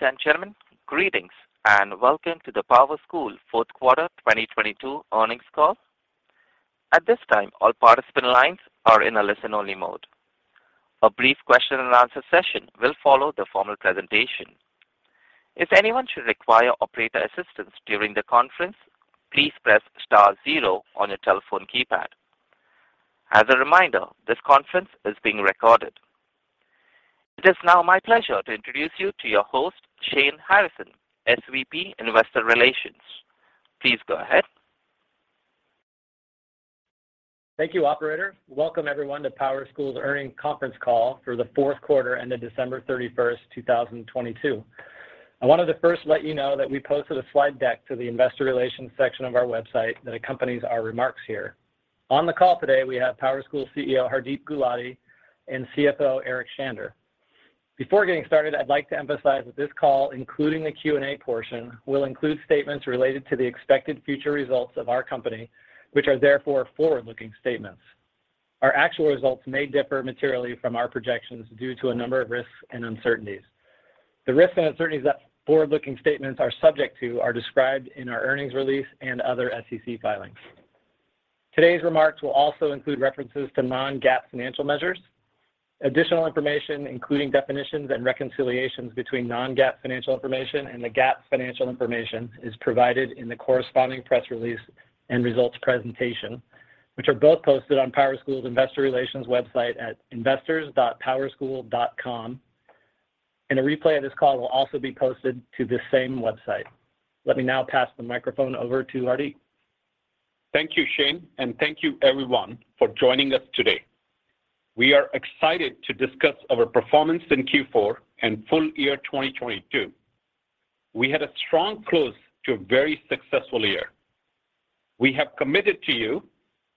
Ladies and gentlemen, greetings and welcome to the PowerSchool Fourth Quarter 2022 earnings call. At this time, all participant lines are in a listen-only mode. A brief question and answer session will follow the formal presentation. If anyone should require operator assistance during the conference, please press star zero on your telephone keypad. As a reminder, this conference is being recorded. It is now my pleasure to introduce you to your host, Shane Harrison, SVP, Investor Relations. Please go ahead. Thank you, operator. Welcome, everyone, to PowerSchool's earning conference call for the fourth quarter ended December thirty-first, 2022. I wanted to first let you know that we posted a slide deck to the investor relations section of our website that accompanies our remarks here. On the call today, we have PowerSchool CEO, Hardeep Gulati, and CFO, Eric Shander. Before getting started, I'd like to emphasize that this call, including the Q&A portion, will include statements related to the expected future results of our company, which are therefore forward-looking statements. Our actual results may differ materially from our projections due to a number of risks and uncertainties. The risks and uncertainties that forward-looking statements are subject to are described in our earnings release and other SEC filings. Today's remarks will also include references to non-GAAP financial measures. Additional information, including definitions and reconciliations between non-GAAP financial information and the GAAP financial information, is provided in the corresponding press release and results presentation, which are both posted on PowerSchool's investor relations website at investors.powerschool.com. A replay of this call will also be posted to the same website. Let me now pass the microphone over to Hardeep. Thank you, Shane. Thank you everyone for joining us today. We are excited to discuss our performance in Q4 and full year 2022. We had a strong close to a very successful year. We have committed to you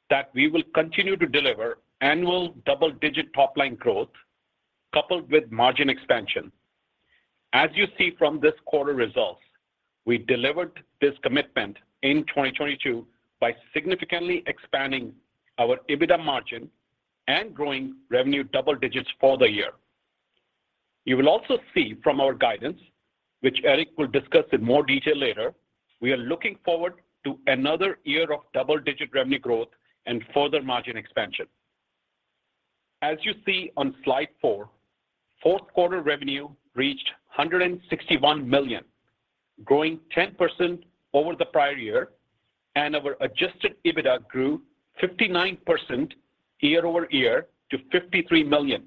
that we will continue to deliver annual double-digit top-line growth coupled with margin expansion. As you see from this quarter results, we delivered this commitment in 2022 by significantly expanding our EBITDA margin and growing revenue double digits for the year. You will also see from our guidance, which Eric will discuss in more detail later, we are looking forward to another year of double-digit revenue growth and further margin expansion. As you see on slide 4, fourth quarter revenue reached $161 million, growing 10% over the prior year, and our adjusted EBITDA grew 59% year-over-year to $53 million,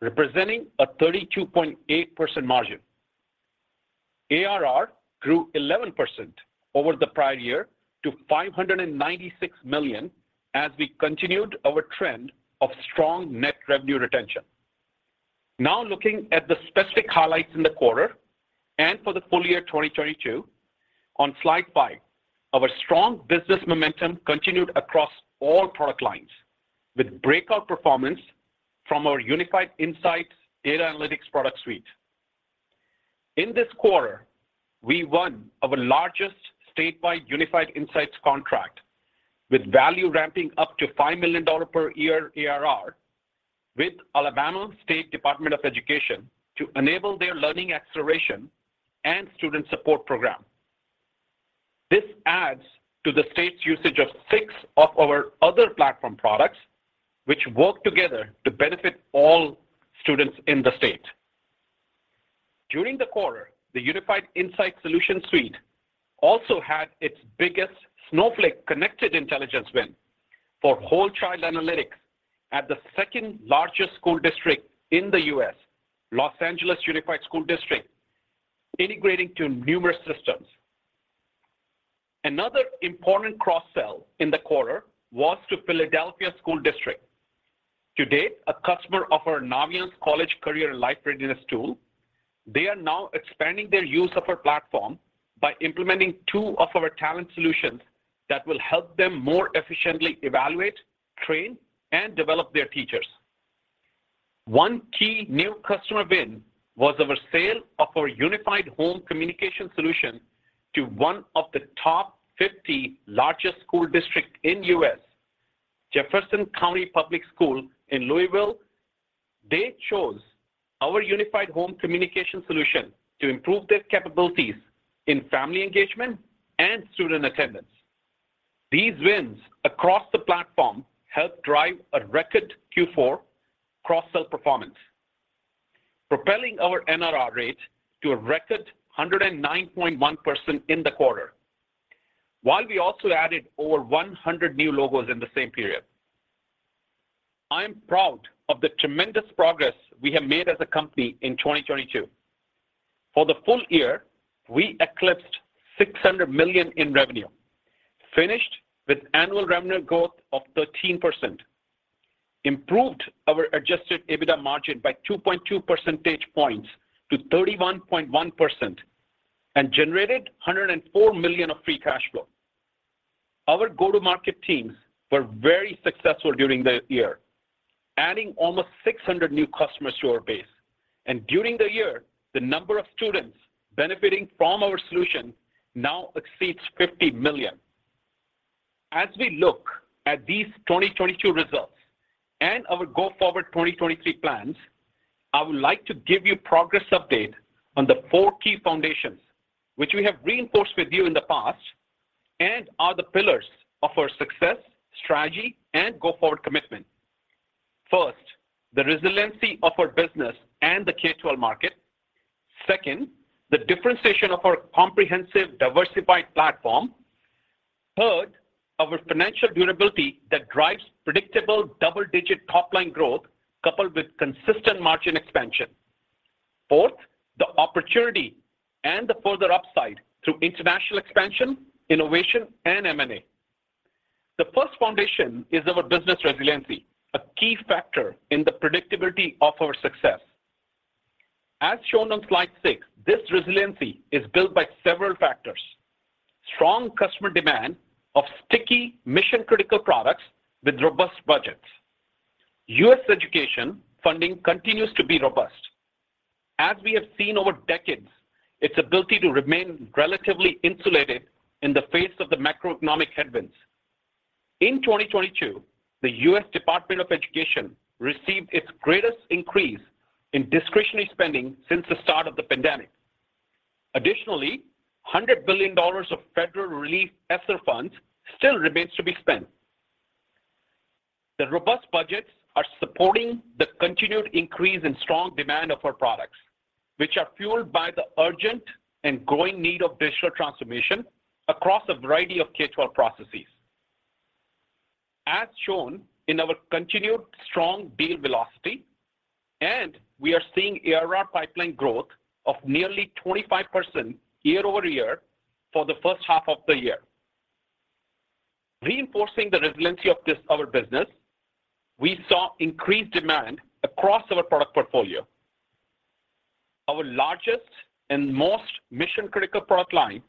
representing a 32.8% margin. ARR grew 11% over the prior year to $596 million as we continued our trend of strong net revenue retention. Looking at the specific highlights in the quarter and for the full year 2022. On slide 5, our strong business momentum continued across all product lines with breakout performance from our Unified Insights data analytics product suite. In this quarter, we won our largest statewide Unified Insights contract with value ramping up to $5 million per year ARR with Alabama State Department of Education to enable their learning acceleration and student support program. This adds to the state's usage of six of our other platform products which work together to benefit all students in the state. During the quarter, the Unified Insights solution suite also had its biggest Snowflake Connected Intelligence win for whole child analytics at the second-largest school district in the U.S., Los Angeles Unified School District, integrating to numerous systems. Another important cross-sell in the quarter was to Philadelphia School District. To date, a customer of our Naviance college career and life readiness tool, they are now expanding their use of our platform by implementing two of our talent solutions that will help them more efficiently evaluate, train, and develop their teachers. One key new customer win was our sale of our Unified Home Communication solution to one of the top 50 largest school district in U.S., Jefferson County Public Schools in Louisville. They chose our Unified Home Communication solution to improve their capabilities in family engagement and student attendance. These wins across the platform helped drive a record Q4 cross-sell performance, propelling our NRR rate to a record 109.1% in the quarter, while we also added over 100 new logos in the same period. I am proud of the tremendous progress we have made as a company in 2022. For the full year, we eclipsed $600 million in revenue, finished with annual revenue growth of 13%, improved our adjusted EBITDA margin by 2.2 percentage points to 31.1%, and generated $104 million of free cash flow. Our go-to-market teams were very successful during the year, adding almost 600 new customers to our base. During the year, the number of students benefiting from our solution now exceeds 50 million. As we look at these 2022 results and our go forward 2023 plans, I would like to give you progress update on the four key foundations which we have reinforced with you in the past and are the pillars of our success, strategy, and go forward commitment. First, the resiliency of our business and the K-12 market. Second, the differentiation of our comprehensive, diversified platform. Third, our financial durability that drives predictable double-digit top line growth coupled with consistent margin expansion. Fourth, the opportunity and the further upside through international expansion, innovation, and M&A. The first foundation is our business resiliency, a key factor in the predictability of our success. As shown on slide 6, this resiliency is built by several factors. Strong customer demand of sticky mission-critical products with robust budgets. U.S. education funding continues to be robust. As we have seen over decades, its ability to remain relatively insulated in the face of the macroeconomic headwinds. In 2022, the U.S. Department of Education received its greatest increase in discretionary spending since the start of the pandemic. $100 billion of federal relief ESSER funds still remains to be spent. The robust budgets are supporting the continued increase in strong demand of our products, which are fueled by the urgent and growing need of digital transformation across a variety of K-12 processes. As shown in our continued strong deal velocity, we are seeing ARR pipeline growth of nearly 25% year-over-year for the first half of the year. Reinforcing the resiliency of our business, we saw increased demand across our product portfolio. Our largest and most mission-critical product line,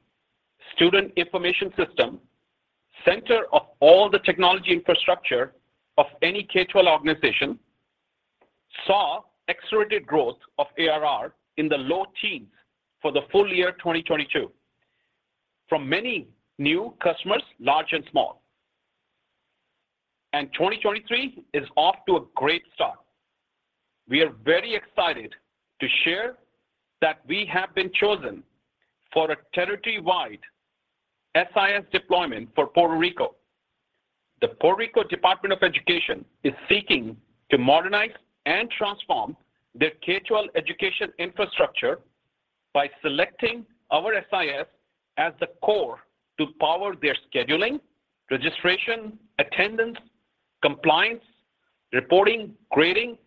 Student Information System, center of all the technology infrastructure of any K-12 organization, saw accelerated growth of ARR in the low teens for the full year 2022 from many new customers, large and small. 2023 is off to a great start. We are very excited to share that we have been chosen for a territory-wide SIS deployment for Puerto Rico. The Puerto Rico Department of Education is seeking to modernize and transform their K-12 education infrastructure by selecting our SIS as the core to power their scheduling, registration, attendance, compliance, reporting, grading,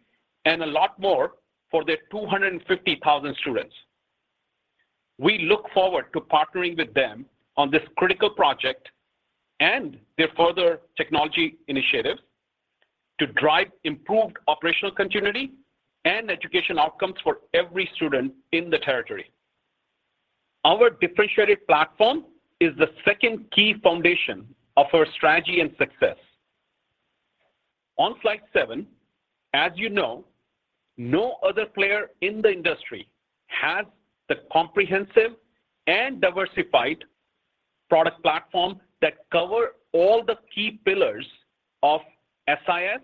and a lot more for their 250,000 students. We look forward to partnering with them on this critical project and their further technology initiatives to drive improved operational continuity and education outcomes for every student in the territory. Our differentiated platform is the second key foundation of our strategy and success. On slide 7, as you know, no other player in the industry has the comprehensive and diversified product platform that cover all the key pillars of SIS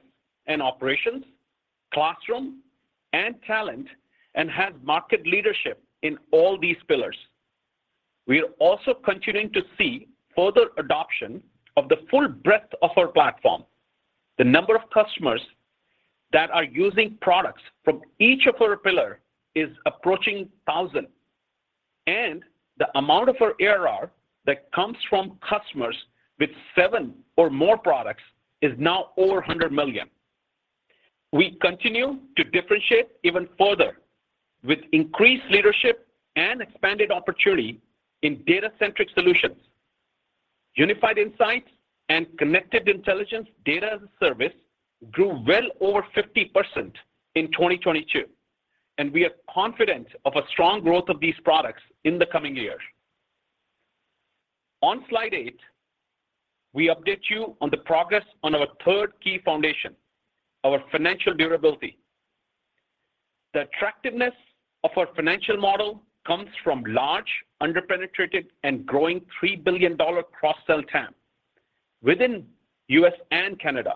and operations, classroom, and talent, and has market leadership in all these pillars. We are also continuing to see further adoption of the full breadth of our platform. The number of customers that are using products from each of our pillar is approaching 1,000, and the amount of our ARR that comes from customers with 7 or more products is now over $100 million. We continue to differentiate even further with increased leadership and expanded opportunity in data-centric solutions. Unified Insights and Connected Intelligence data as a service grew well over 50% in 2022, and we are confident of a strong growth of these products in the coming years. On slide 8, we update you on the progress on our third key foundation, our financial durability. The attractiveness of our financial model comes from large underpenetrated and growing $3 billion cross-sell TAM within U.S. and Canada,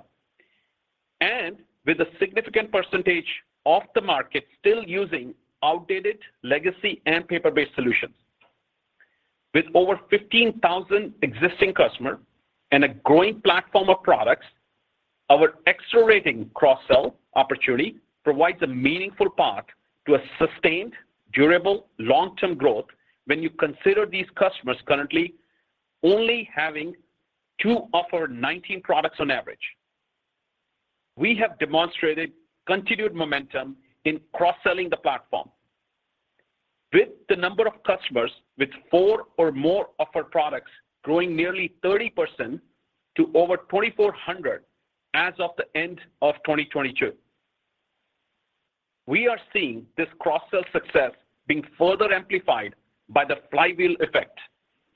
and with a significant percentage of the market still using outdated legacy and paper-based solutions. With over 15,000 existing customer and a growing platform of products, our accelerating cross-sell opportunity provides a meaningful path to a sustained, durable, long-term growth when you consider these customers currently only having 2 of our 19 products on average. We have demonstrated continued momentum in cross-selling the platform with the number of customers with four or more of our products growing nearly 30% to over 2,400 as of the end of 2022. We are seeing this cross-sell success being further amplified by the flywheel effect,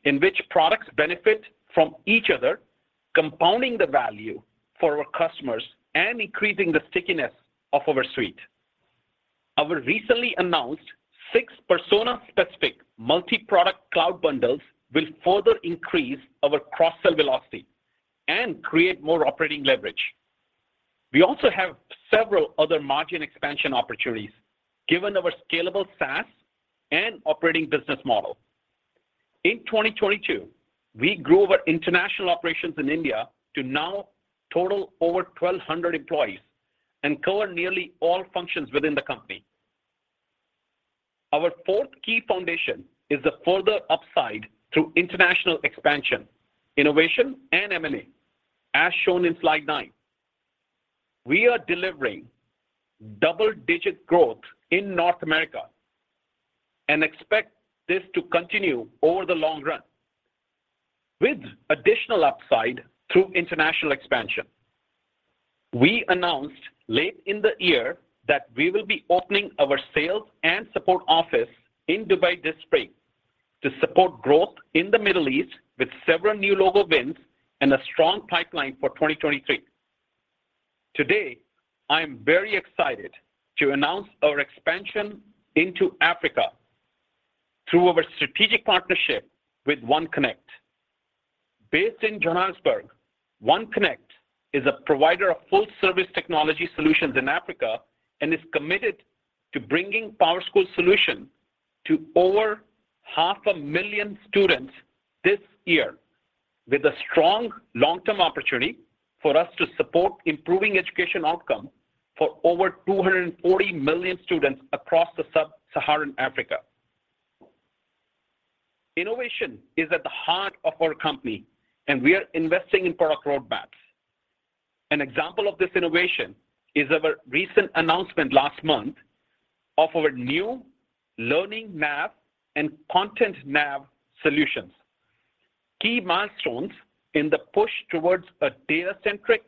in which products benefit from each other, compounding the value for our customers and increasing the stickiness of our suite. Our recently announced six persona-specific multi-product cloud bundles will further increase our cross-sell velocity and create more operating leverage. We also have several other margin expansion opportunities given our scalable SaaS and operating business model. In 2022, we grew our international operations in India to now total over 1,200 employees and cover nearly all functions within the company. Our fourth key foundation is the further upside through international expansion, innovation, and M&A, as shown in slide 9. We are delivering double-digit growth in North America and expect this to continue over the long run with additional upside through international expansion. We announced late in the year that we will be opening our sales and support office in Dubai this spring to support growth in the Middle East with several new logo wins and a strong pipeline for 2023. Today, I am very excited to announce our expansion into Africa through our strategic partnership with OneConnect. Based in Johannesburg, OneConnect is a provider of full-service technology solutions in Africa and is committed to bringing PowerSchool solutions to over half a million students this year with a strong long-term opportunity for us to support improving education outcome for over 240 million students across the Sub-Saharan Africa. Innovation is at the heart of our company, and we are investing in product roadmaps. An example of this innovation is our recent announcement last month of our new LearningNav and ContentNav solutions. Key milestones in the push towards a data-centric,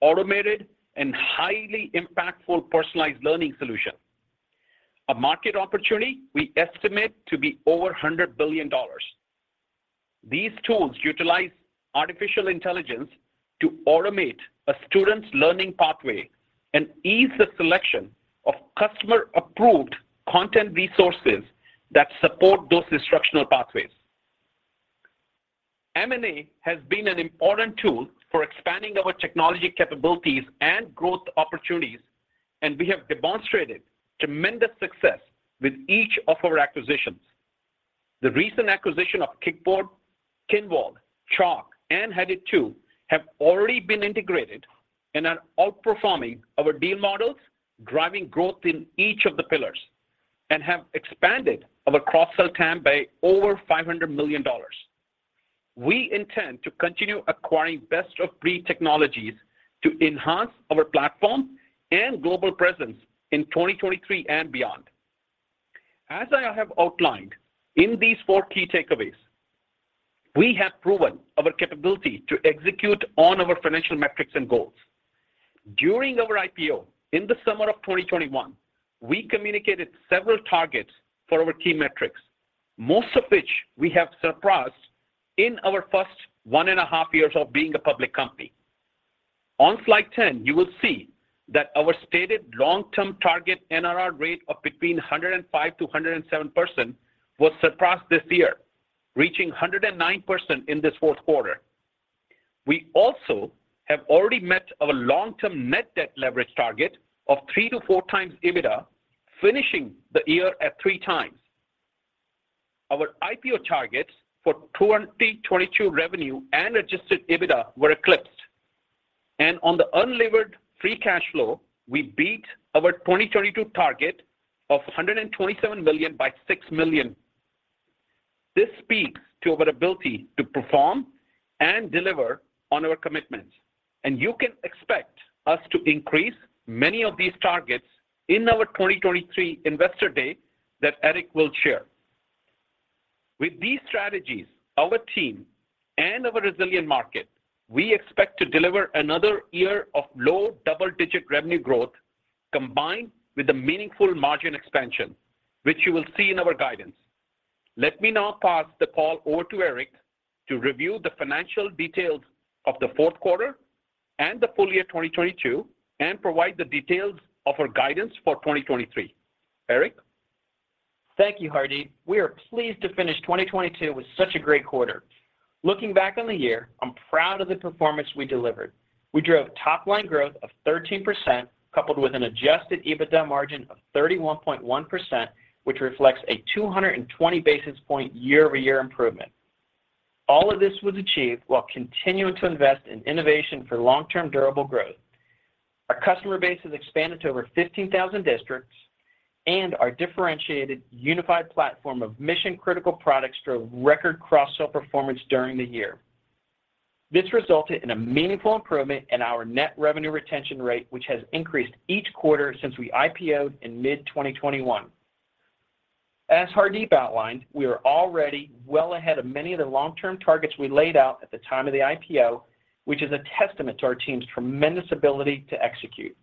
automated, and highly impactful personalized learning solution. A market opportunity we estimate to be over $100 billion. These tools utilize artificial intelligence to automate a student's learning pathway and ease the selection of customer-approved content resources that support those instructional pathways. M&A has been an important tool for expanding our technology capabilities and growth opportunities, and we have demonstrated tremendous success with each of our acquisitions. The recent acquisition of Kickboard, Kinvolved, Chalk, and Headed2 have already been integrated and are outperforming our deal models, driving growth in each of the pillars and have expanded our cross-sell TAM by over $500 million. We intend to continue acquiring best-of-breed technologies to enhance our platform and global presence in 2023 and beyond. As I have outlined in these 4 key takeaways, we have proven our capability to execute on our financial metrics and goals. During our IPO in the summer of 2021, we communicated several targets for our key metrics, most of which we have surpassed in our first one and a half years of being a public company. On slide 10, you will see that our stated long-term target NRR rate of between 105%-107% was surpassed this year, reaching 109% in this fourth quarter. We also have already met our long-term net debt leverage target of 3 to 4 times EBITDA, finishing the year at 3 times. Our IPO targets for 2022 revenue and adjusted EBITDA were eclipsed. On the unlevered free cash flow, we beat our 2022 target of $127 million by $6 million. This speaks to our ability to perform and deliver on our commitments, and you can expect us to increase many of these targets in our 2023 investor day that Eric will share. With these strategies, our team and our resilient market, we expect to deliver another year of low double-digit revenue growth combined with a meaningful margin expansion, which you will see in our guidance. Let me now pass the call over to Eric to review the financial details of the fourth quarter and the full year 2022 and provide the details of our guidance for 2023. Eric? Thank you, Hardeep. We are pleased to finish 2022 with such a great quarter. Looking back on the year, I'm proud of the performance we delivered. We drove top-line growth of 13% coupled with an adjusted EBITDA margin of 31.1%, which reflects a 220 basis point year-over-year improvement. All of this was achieved while continuing to invest in innovation for long-term durable growth. Our customer base has expanded to over 15,000 districts, and our differentiated unified platform of mission-critical products drove record cross-sell performance during the year. This resulted in a meaningful improvement in our Net Revenue Retention rate, which has increased each quarter since we IPO'd in mid-2021. As Hardeep outlined, we are already well ahead of many of the long-term targets we laid out at the time of the IPO, which is a testament to our team's tremendous ability to execute.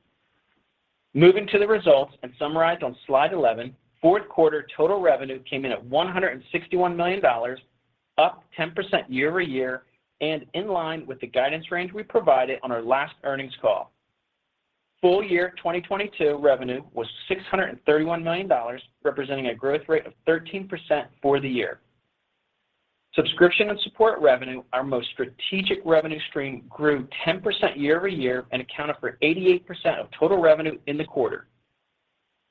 Moving to the results and summarized on slide 11, fourth quarter total revenue came in at $161 million, up 10% year-over-year and in line with the guidance range we provided on our last earnings call. Full year 2022 revenue was $631 million, representing a growth rate of 13% for the year. Subscription and support revenue, our most strategic revenue stream, grew 10% year-over-year and accounted for 88% of total revenue in the quarter.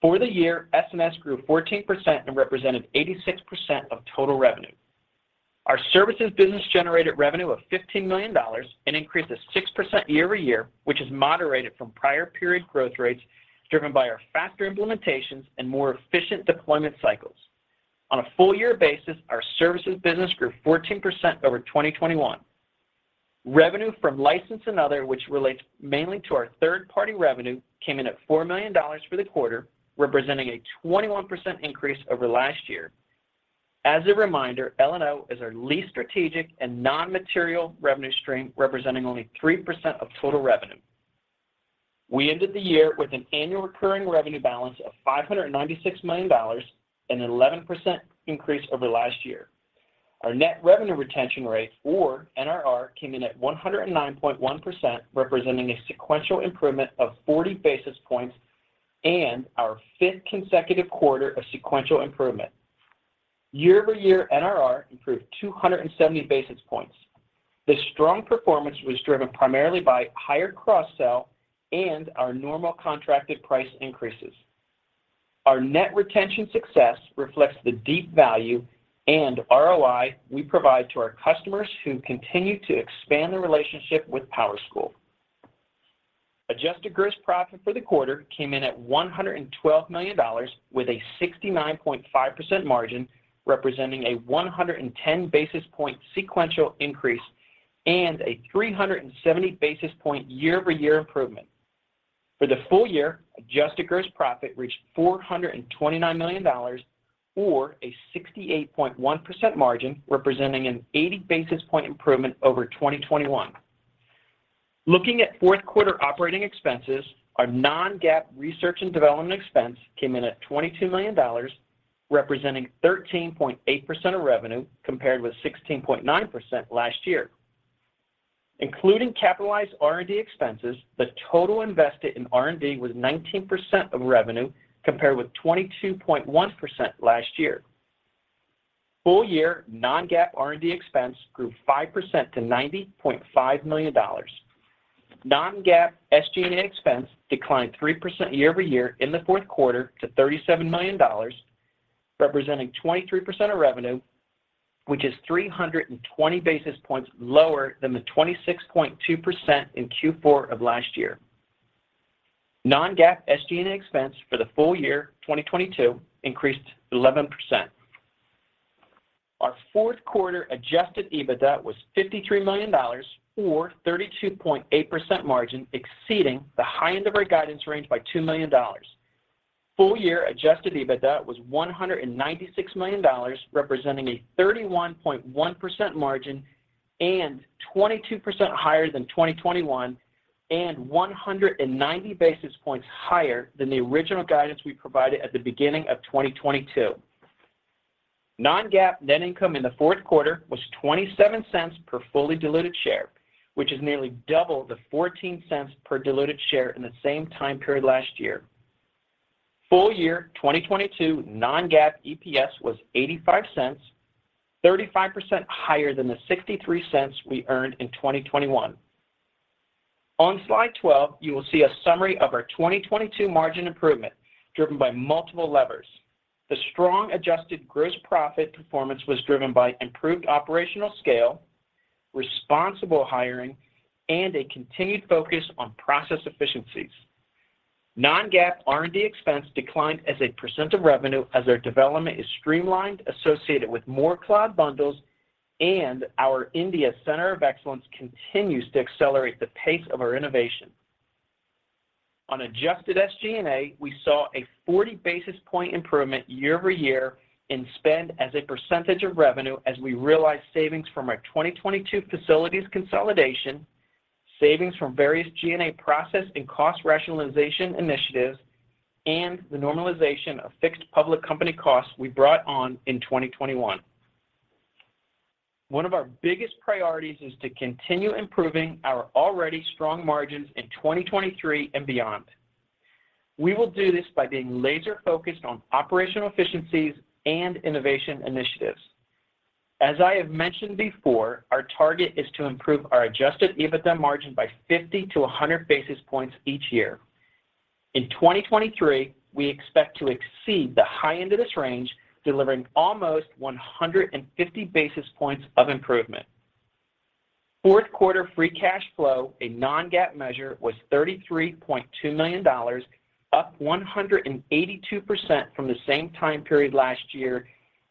For the year, SMS grew 14% and represented 86% of total revenue. Our services business generated revenue of $15 million, an increase of 6% year-over-year, which is moderated from prior period growth rates driven by our faster implementations and more efficient deployment cycles. On a full year basis, our services business grew 14% over 2021. Revenue from license and other, which relates mainly to our third-party revenue, came in at $4 million for the quarter, representing a 21% increase over last year. As a reminder, LNO is our least strategic and non-material revenue stream, representing only 3% of total revenue. We ended the year with an annual recurring revenue balance of $596 million, an 11% increase over last year. Our net revenue retention rate, or NRR, came in at 109.1%, representing a sequential improvement of 40 basis points and our 5th consecutive quarter of sequential improvement. Year-over-year NRR improved 270 basis points. This strong performance was driven primarily by higher cross-sell and our normal contracted price increases. Our net retention success reflects the deep value and ROI we provide to our customers who continue to expand their relationship with PowerSchool. Adjusted gross profit for the quarter came in at $112 million with a 69.5% margin, representing a 110 basis point sequential increase and a 370 basis point year-over-year improvement. For the full year, adjusted gross profit reached $429 million or a 68.1% margin, representing an 80 basis point improvement over 2021. Looking at fourth quarter operating expenses, our non-GAAP research and development expense came in at $22 million, representing 13.8% of revenue compared with 16.9% last year. Including capitalized R&D expenses, the total invested in R&D was 19% of revenue compared with 22.1% last year. Full year non-GAAP R&D expense grew 5% to $90.5 million. Non-GAAP SG&A expense declined 3% year-over-year in the fourth quarter to $37 million, representing 23% of revenue, which is 320 basis points lower than the 26.2% in Q4 of last year. non-GAAP SG&A expense for the full year 2022 increased 11%. Our fourth quarter adjusted EBITDA was $53 million or 32.8% margin, exceeding the high end of our guidance range by $2 million. Full year adjusted EBITDA was $196 million, representing a 31.1% margin and 22% higher than 2021 and 190 basis points higher than the original guidance we provided at the beginning of 2022. non-GAAP net income in the fourth quarter was $0.27 per fully diluted share, which is nearly double the $0.14 per diluted share in the same time period last year. Full year 2022 non-GAAP EPS was $0.85, 35% higher than the $0.63 we earned in 2021. On slide 12, you will see a summary of our 2022 margin improvement driven by multiple levers. The strong adjusted gross profit performance was driven by improved operational scale, responsible hiring, and a continued focus on process efficiencies. non-GAAP R&D expense declined as a % of revenue as our development is streamlined, associated with more cloud bundles, and our India Center of Excellence continues to accelerate the pace of our innovation. On adjusted SG&A, we saw a 40 basis point improvement year-over-year in spend as a % of revenue as we realized savings from our 2022 facilities consolidation, savings from various G&A process and cost rationalization initiatives, and the normalization of fixed public company costs we brought on in 2021. One of our biggest priorities is to continue improving our already strong margins in 2023 and beyond. We will do this by being laser focused on operational efficiencies and innovation initiatives. As I have mentioned before, our target is to improve our adjusted EBITDA margin by 50 to 100 basis points each year. In 2023, we expect to exceed the high end of this range, delivering almost 150 basis points of improvement. Fourth quarter free cash flow, a non-GAAP measure, was $33.2 million, up 182% from the same time period last year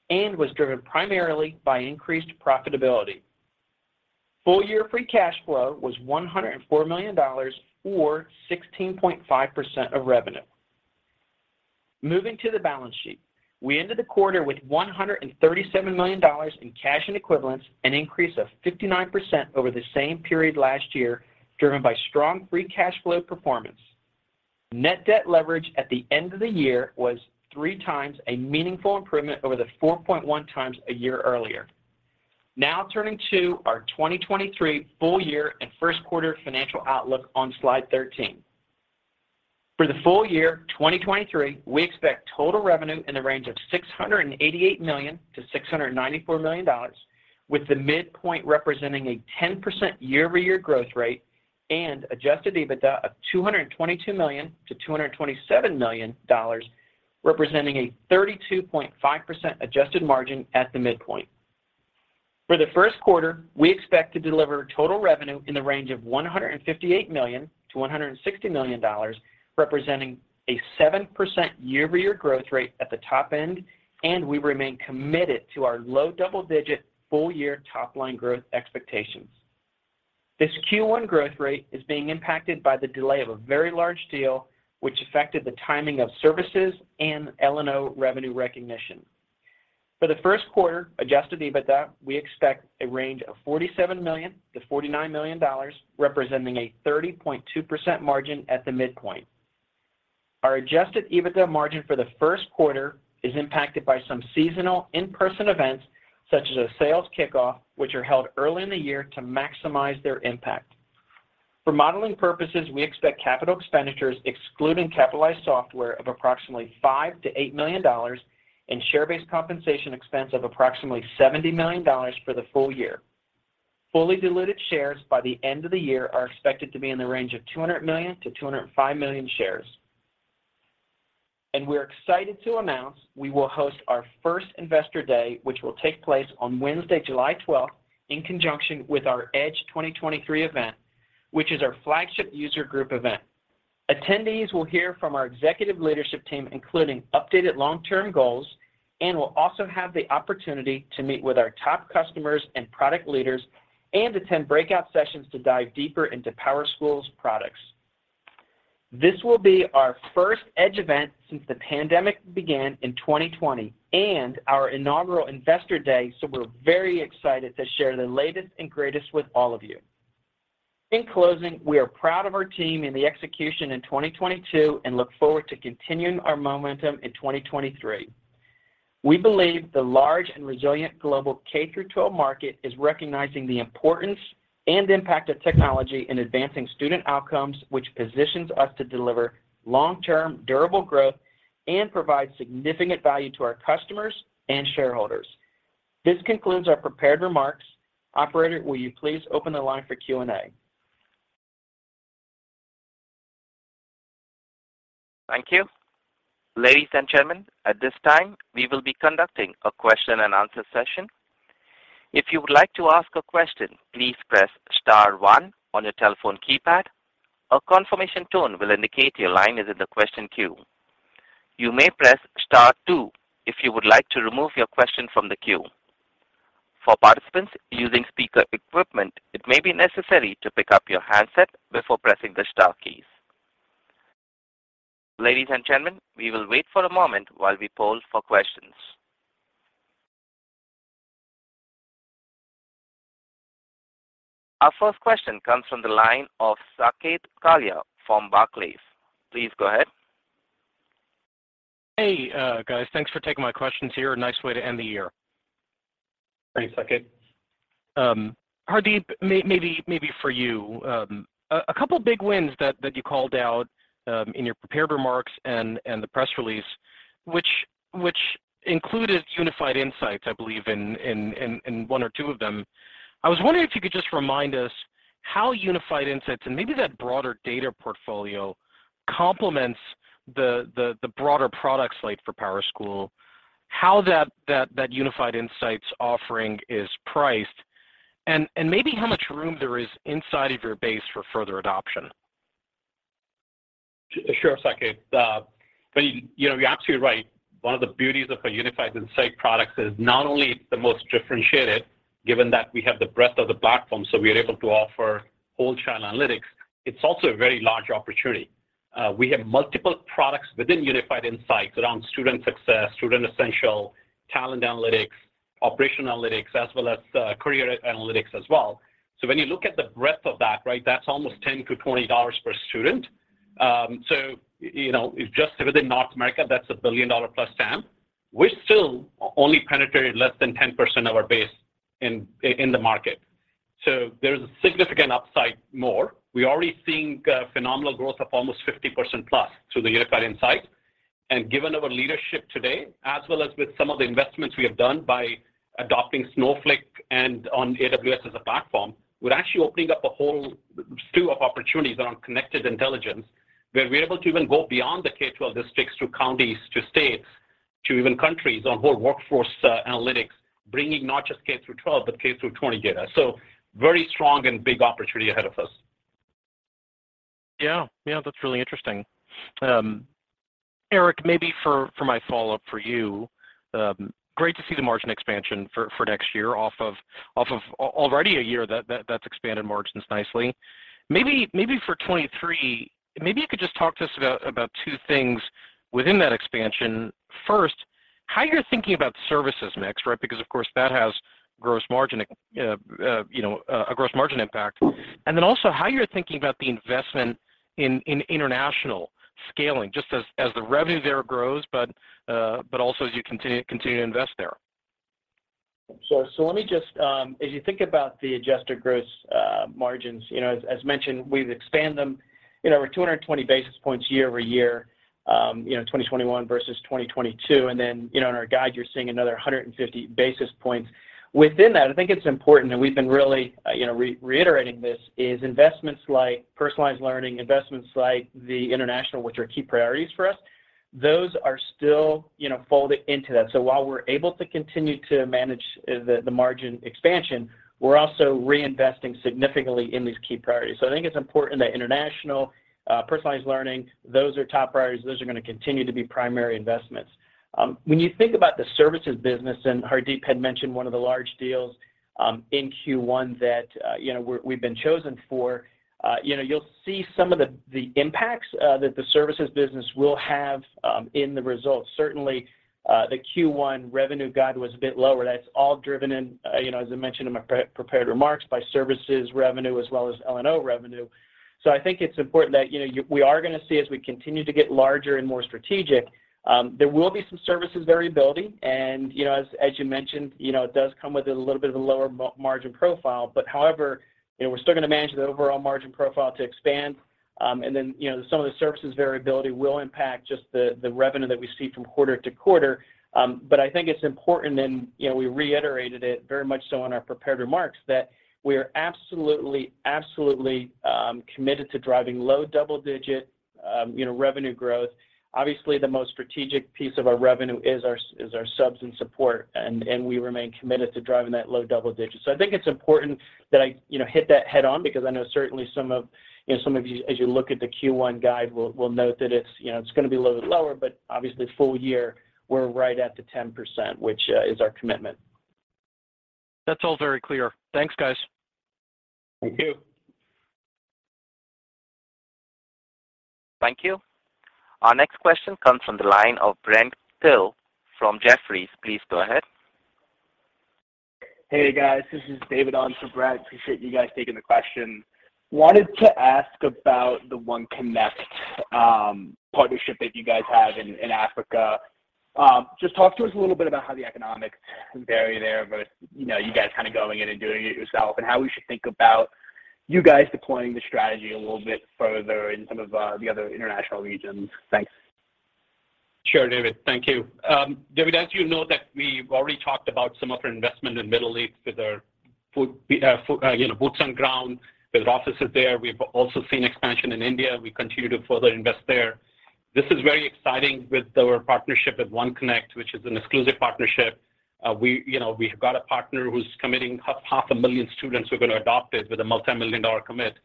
and was driven primarily by increased profitability. Full year free cash flow was $104 million or 16.5% of revenue. Moving to the balance sheet, we ended the quarter with $137 million in cash and equivalents, an increase of 59% over the same period last year, driven by strong free cash flow performance. Net debt leverage at the end of the year was 3x, a meaningful improvement over the 4.1x a year earlier. Turning to our 2023 full year and first quarter financial outlook on slide 13. For the full year 2023, we expect total revenue in the range of $688 million-$694 million, with the midpoint representing a 10% year-over-year growth rate and adjusted EBITDA of $222 million-$227 million, representing a 32.5% adjusted margin at the midpoint. For the first quarter, we expect to deliver total revenue in the range of $158 million-$160 million, representing a 7% year-over-year growth rate at the top end. We remain committed to our low double-digit full year top line growth expectations. This Q1 growth rate is being impacted by the delay of a very large deal, which affected the timing of services and LNO revenue recognition. For the first quarter, adjusted EBITDA, we expect a range of $47 million-$49 million, representing a 30.2% margin at the midpoint. Our adjusted EBITDA margin for the first quarter is impacted by some seasonal in-person events such as a sales kickoff, which are held early in the year to maximize their impact. For modeling purposes, we expect capital expenditures excluding capitalized software of approximately $5 million-$8 million and share-based compensation expense of approximately $70 million for the full year. Fully diluted shares by the end of the year are expected to be in the range of 200 million to 205 million shares. We're excited to announce we will host our first Investor Day, which will take place on Wednesday, July 12th in conjunction with our EDGE 2023 event, which is our flagship user group event. Attendees will hear from our executive leadership team, including updated long-term goals, and will also have the opportunity to meet with our top customers and product leaders and attend breakout sessions to dive deeper into PowerSchool's products. This will be our first Edge event since the pandemic began in 2020 and our inaugural Investor Day, so we're very excited to share the latest and greatest with all of you. In closing, we are proud of our team in the execution in 2022 and look forward to continuing our momentum in 2023. We believe the large and resilient global K-12 market is recognizing the importance and impact of technology in advancing student outcomes, which positions us to deliver long-term, durable growth and provide significant value to our customers and shareholders. This concludes our prepared remarks. Operator, will you please open the line for Q&A? Thank you. Ladies and gentlemen, at this time, we will be conducting a question and answer session. If you would like to ask a question, please press star one on your telephone keypad. A confirmation tone will indicate your line is in the question queue. You may press star two if you would like to remove your question from the queue. For participants using speaker equipment, it may be necessary to pick up your handset before pressing the star keys. Ladies and gentlemen, we will wait for a moment while we poll for questions. Our first question comes from the line of Saket Kalia from Barclays. Please go ahead. Hey, guys. Thanks for taking my questions here. Nice way to end the year. Thanks, Saket. Hardeep, maybe for you. A couple of big wins that you called out in your prepared remarks and the press release, which included Unified Insights, I believe, in one or two of them. I was wondering if you could just remind us how Unified Insights and maybe that broader data portfolio complements the broader product slate for PowerSchool, how that Unified Insights offering is priced and maybe how much room there is inside of your base for further adoption? Sure, Saket. You know, you're absolutely right. One of the beauties of a Unified Insights product is not only it's the most differentiated, given that we have the breadth of the platform, we are able to offer whole channel analytics, it's also a very large opportunity. We have multiple products within Unified Insights around student success, student essential, talent analytics, operational analytics as well as career analytics as well. When you look at the breadth of that, right, that's almost $10-$20 per student. You know, just within North America, that's a $1 billion-plus TAM. We're still only penetrated less than 10% of our base in the market. There's a significant upside more. We're already seeing phenomenal growth of almost 50%+ through the Unified Insights. Given our leadership today, as well as with some of the investments we have done by adopting Snowflake and on AWS as a platform, we're actually opening up a whole slew of opportunities around Connected Intelligence, where we're able to even go beyond the K-12 districts to counties to states to even countries on whole workforce analytics, bringing not just K-12, but K-20 data. Very strong and big opportunity ahead of us. Yeah, that's really interesting. Eric, maybe for my follow-up for you, great to see the margin expansion for next year off of already a year that's expanded margins nicely. Maybe for 23, maybe you could just talk to us about two things within that expansion. First- How you're thinking about services mix, right? Because of course, that has gross margin, you know, a gross margin impact. Also how you're thinking about the investment in international scaling, just as the revenue there grows, but also as you continue to invest there. Let me just, as you think about the adjusted gross margins, you know, as mentioned, we've expanded them, you know, over 220 basis points year-over-year, you know, 2021 versus 2022. In our guide, you're seeing another 150 basis points. Within that, I think it's important, and we've been really, you know, reiterating this, is investments like personalized learning, investments like the international, which are key priorities for us, those are still, you know, folded into that. While we're able to continue to manage the margin expansion, we're also reinvesting significantly in these key priorities. I think it's important that international, personalized learning, those are top priorities. Those are gonna continue to be primary investments. When you think about the services business, and Hardeep had mentioned one of the large deals in Q1 that, you know, we've been chosen for, you know, you'll see some of the impacts that the services business will have in the results. Certainly, the Q1 revenue guide was a bit lower. That's all driven in, you know, as I mentioned in my pre-prepared remarks, by services revenue as well as LNO revenue. I think it's important that, you know, we are gonna see as we continue to get larger and more strategic, there will be some services variability. You know, as you mentioned, you know, it does come with a little bit of a lower margin profile. However, you know, we're still gonna manage the overall margin profile to expand. you know, some of the services variability will impact just the revenue that we see from quarter-to-quarter. I think it's important, and, you know, we reiterated it very much so in our prepared remarks, that we are absolutely committed to driving low double-digit, you know, revenue growth. Obviously, the most strategic piece of our revenue is our subs and support, and we remain committed to driving that low double digit. I think it's important that I, you know, hit that head-on because I know certainly some of you, as you look at the Q1 guide, will note that it's, you know, it's gonna be a little bit lower, but obviously full year we're right at the 10%, which is our commitment. That's all very clear. Thanks, guys. Thank you. Thank you. Our next question comes from the line of Brent Thill from Jefferies. Please go ahead. Hey, guys, this is David on for Brent. Appreciate you guys taking the question. Wanted to ask about the One Connect partnership that you guys have in Africa. Just talk to us a little bit about how the economics vary there versus, you know, you guys kind of going in and doing it yourself and how we should think about you guys deploying the strategy a little bit further in some of the other international regions. Thanks. David. Thank you. David, as you know that we've already talked about some of our investment in Middle East with our foot, you know, boots on ground. There's offices there. We've also seen expansion in India. We continue to further invest there. This is very exciting with our partnership with OneConnect, which is an exclusive partnership. We, you know, we have got a partner who's committing half a million students who are gonna adopt it with a multimillion-dollar commit.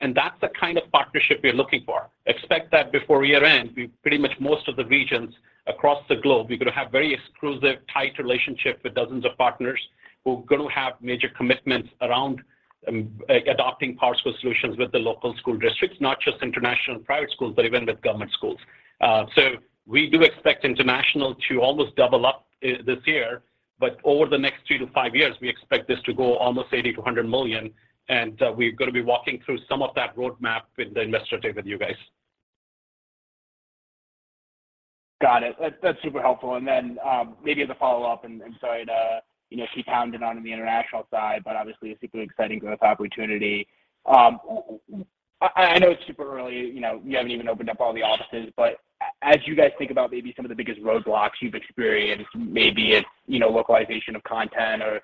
That's the kind of partnership we're looking for. Expect that before year-end, we pretty much most of the regions across the globe, we're gonna have very exclusive, tight relationship with dozens of partners who are gonna have major commitments around adopting PowerSchool solutions with the local school districts, not just international and private schools, but even with government schools. We do expect international to almost double up this year. Over the next two to five years, we expect this to go almost $80 million-$100 million, and we're gonna be walking through some of that roadmap with the investor day with you guys. Got it. That's super helpful. maybe as a follow-up, sorry to, you know, keep pounding on the international side, obviously a super exciting growth opportunity. I know it's super early, you know, you haven't even opened up all the offices, as you guys think about maybe some of the biggest roadblocks you've experienced, maybe it's, you know, localization of content or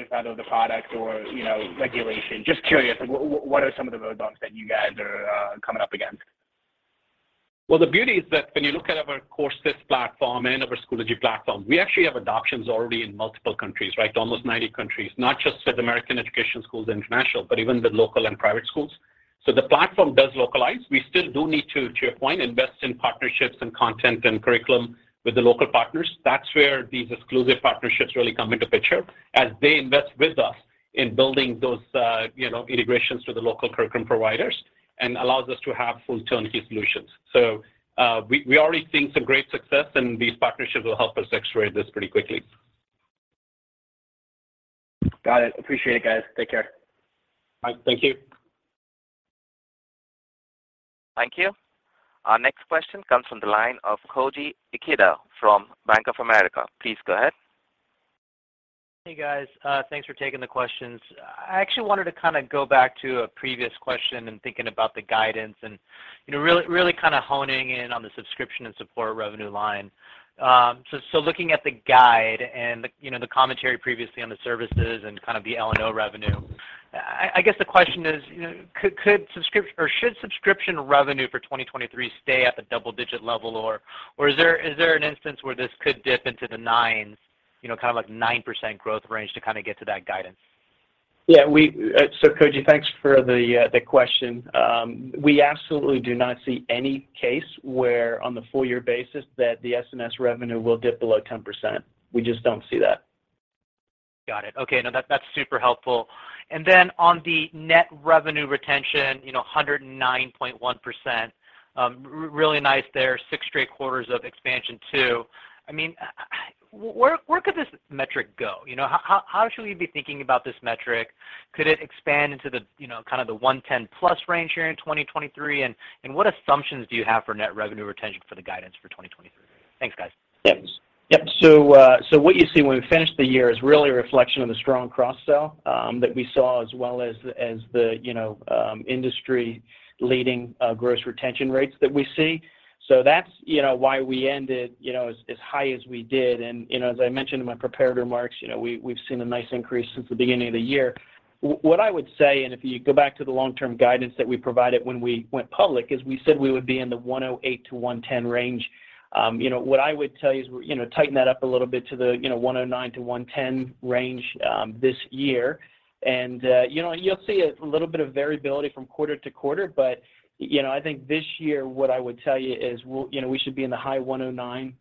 is that of the product or, you know, regulation. Just curious, like what are some of the roadblocks that you guys are coming up against? The beauty is that when you look at our CourseFit platform and our Schoology platform, we actually have adoptions already in multiple countries, right? Almost 90 countries. Not just with American education schools international, but even with local and private schools. The platform does localize. We still do need to your point, invest in partnerships and content and curriculum with the local partners. That's where these exclusive partnerships really come into picture as they invest with us in building those, you know, integrations with the local curriculum providers and allows us to have full turn-key solutions. We're already seeing some great success, and these partnerships will help us accelerate this pretty quickly. Got it. Appreciate it, guys. Take care. All right. Thank you. Thank you. Our next question comes from the line of Koji Ikeda from Bank of America. Please go ahead. Hey, guys. Thanks for taking the questions. I actually wanted to kinda go back to a previous question and thinking about the guidance and, you know, really kinda honing in on the subscription and support revenue line. Looking at the guide and the, you know, the commentary previously on the services and kind of the LNO revenue, I guess the question is, you know, could subscription or should subscription revenue for 2023 stay at the double-digit level or is there an instance where this could dip into the 9s, you know, kind of like 9% growth range to kinda get to that guidance? Yeah, we, Koji, thanks for the question. We absolutely do not see any case where on the full year basis that the SMS revenue will dip below 10%. We just don't see that. Got it. Okay. No, that's super helpful. On the net revenue retention, you know, 109.1%. Really nice there. Six straight quarters of expansion too. I mean, where could this metric go? You know, how should we be thinking about this metric? Could it expand into the, you know, kind of the 110+ range here in 2023? What assumptions do you have for net revenue retention for the guidance for 2023? Thanks, guys. Yep. Yep. What you see when we finish the year is really a reflection of the strong cross-sell that we saw as well as the, you know, industry leading gross retention rates that we see. That's, you know, why we ended, you know, as high as we did. You know, as I mentioned in my prepared remarks, you know, we've seen a nice increase since the beginning of the year. What I would say, and if you go back to the long-term guidance that we provided when we went public, is we said we would be in the 108-110 range. You know, what I would tell you is we're, you know, tighten that up a little bit to the, you know, 109-110 range this year. You know, you'll see a little bit of variability from quarter to quarter. You know, I think this year, what I would tell you is we'll, you know, we should be in the high 109%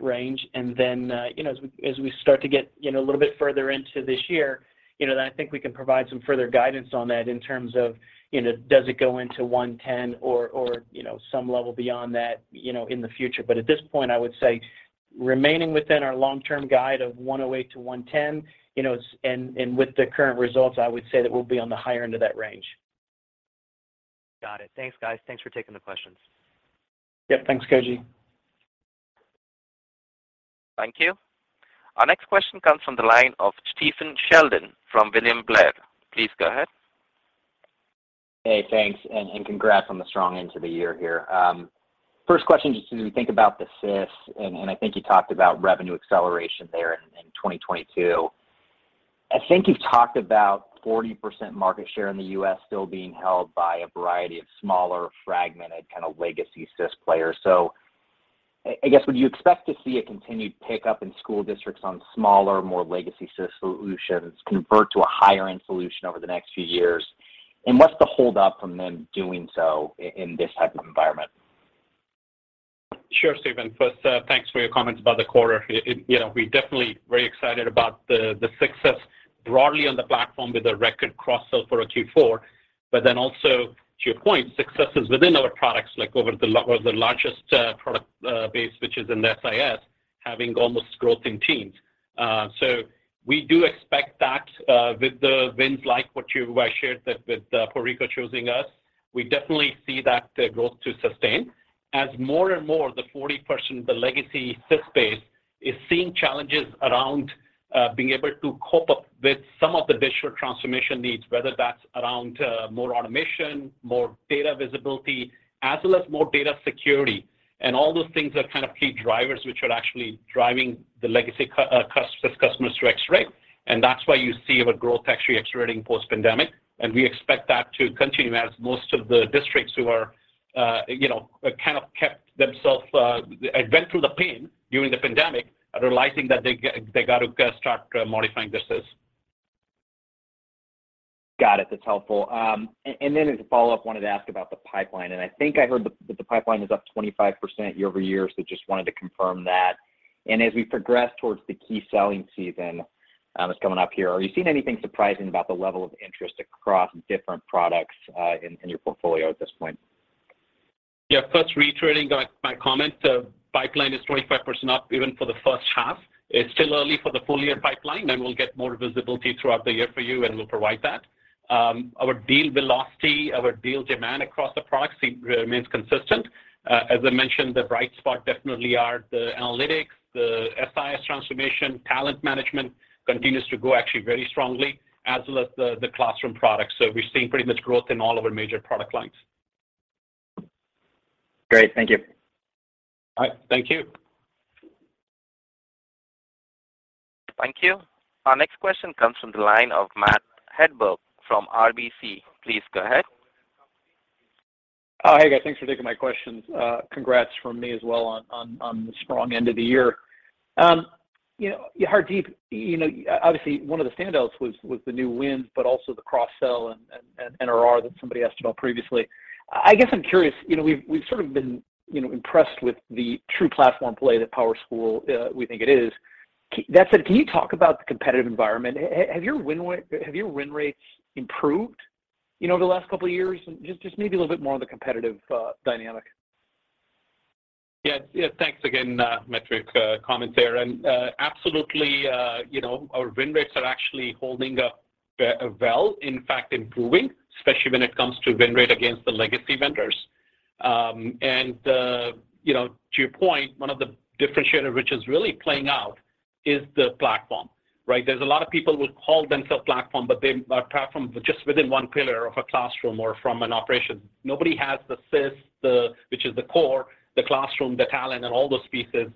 range. Then, you know, as we start to get, you know, a little bit further into this year, you know, then I think we can provide some further guidance on that in terms of, you know, does it go into 110 or, you know, some level beyond that, you know, in the future. At this point, I would say remaining within our long-term guide of 108-110, you know, and with the current results, I would say that we'll be on the higher end of that range. Got it. Thanks, guys. Thanks for taking the questions. Yep. Thanks, Koji. Thank you. Our next question comes from the line of Stephen Sheldon from William Blair. Please go ahead. Thanks, and congrats on the strong end to the year here. First question, just as we think about the SIS, and I think you talked about revenue acceleration there in 2022. I think you've talked about 40% market share in the U.S. still being held by a variety of smaller, fragmented kind of legacy SIS players. I guess would you expect to see a continued pickup in school districts on smaller, more legacy SIS solutions convert to a higher end solution over the next few years? What's the hold up from them doing so in this type of environment? Stephen. Thanks for your comments about the quarter. You know, we're definitely very excited about the success broadly on the platform with a record cross-sell for a Q4. Also to your point, successes within our products like over the largest product base which is in SIS having almost growth in teens. We do expect that with the wins like what I shared that with Puerto Rico choosing us. We definitely see that growth to sustain. More and more the 40%, the legacy SIS space is seeing challenges around being able to cope up with some of the digital transformation needs, whether that's around more automation, more data visibility, as well as more data security. All those things are kind of key drivers which are actually driving the legacy SIS customers to Xray. That's why you see our growth actually accelerating post-pandemic. We expect that to continue as most of the districts who are, you know, kind of kept themselves went through the pain during the pandemic are realizing that they gotta start modifying their SIS. Got it. That's helpful. And then as a follow-up, wanted to ask about the pipeline. I think I heard that the pipeline is up 25% year-over-year. Just wanted to confirm that. As we progress towards the key selling season that's coming up here, are you seeing anything surprising about the level of interest across different products in your portfolio at this point? First reiterating my comment, pipeline is 25% up even for the first half. It's still early for the full year pipeline, and we'll get more visibility throughout the year for you, and we'll provide that. Our deal velocity, our deal demand across the products remains consistent. As I mentioned, the bright spot definitely are the analytics. The SIS transformation, talent management continues to grow actually very strongly as well as the classroom products. We're seeing pretty much growth in all of our major product lines. Great. Thank you. All right. Thank you. Thank you. Our next question comes from the line of Matt Hedberg from RBC. Please go ahead. Oh, hey guys, thanks for taking my questions. congrats from me as well on the strong end of the year. you know, Hardeep, you know, obviously one of the standouts was the new wins but also the cross-sell and NRR that somebody asked about previously. I guess I'm curious, you know, we've sort of been, you know, impressed with the true platform play that PowerSchool we think it is. That said, can you talk about the competitive environment? Have your win rates improved, you know, over the last couple of years? Just maybe a little bit more on the competitive dynamic. Yes. Yeah. Thanks again, Matthew, comments there. Absolutely, you know, our win rates are actually holding up well, in fact improving, especially when it comes to win rate against the legacy vendors. You know, to your point, one of the differentiator which is really playing out is the platform, right? There's a lot of people who call themselves platform, but they are platform just within one pillar of a classroom or from an operation. Nobody has the SIS, which is the core, the classroom, the talent, and all those pieces.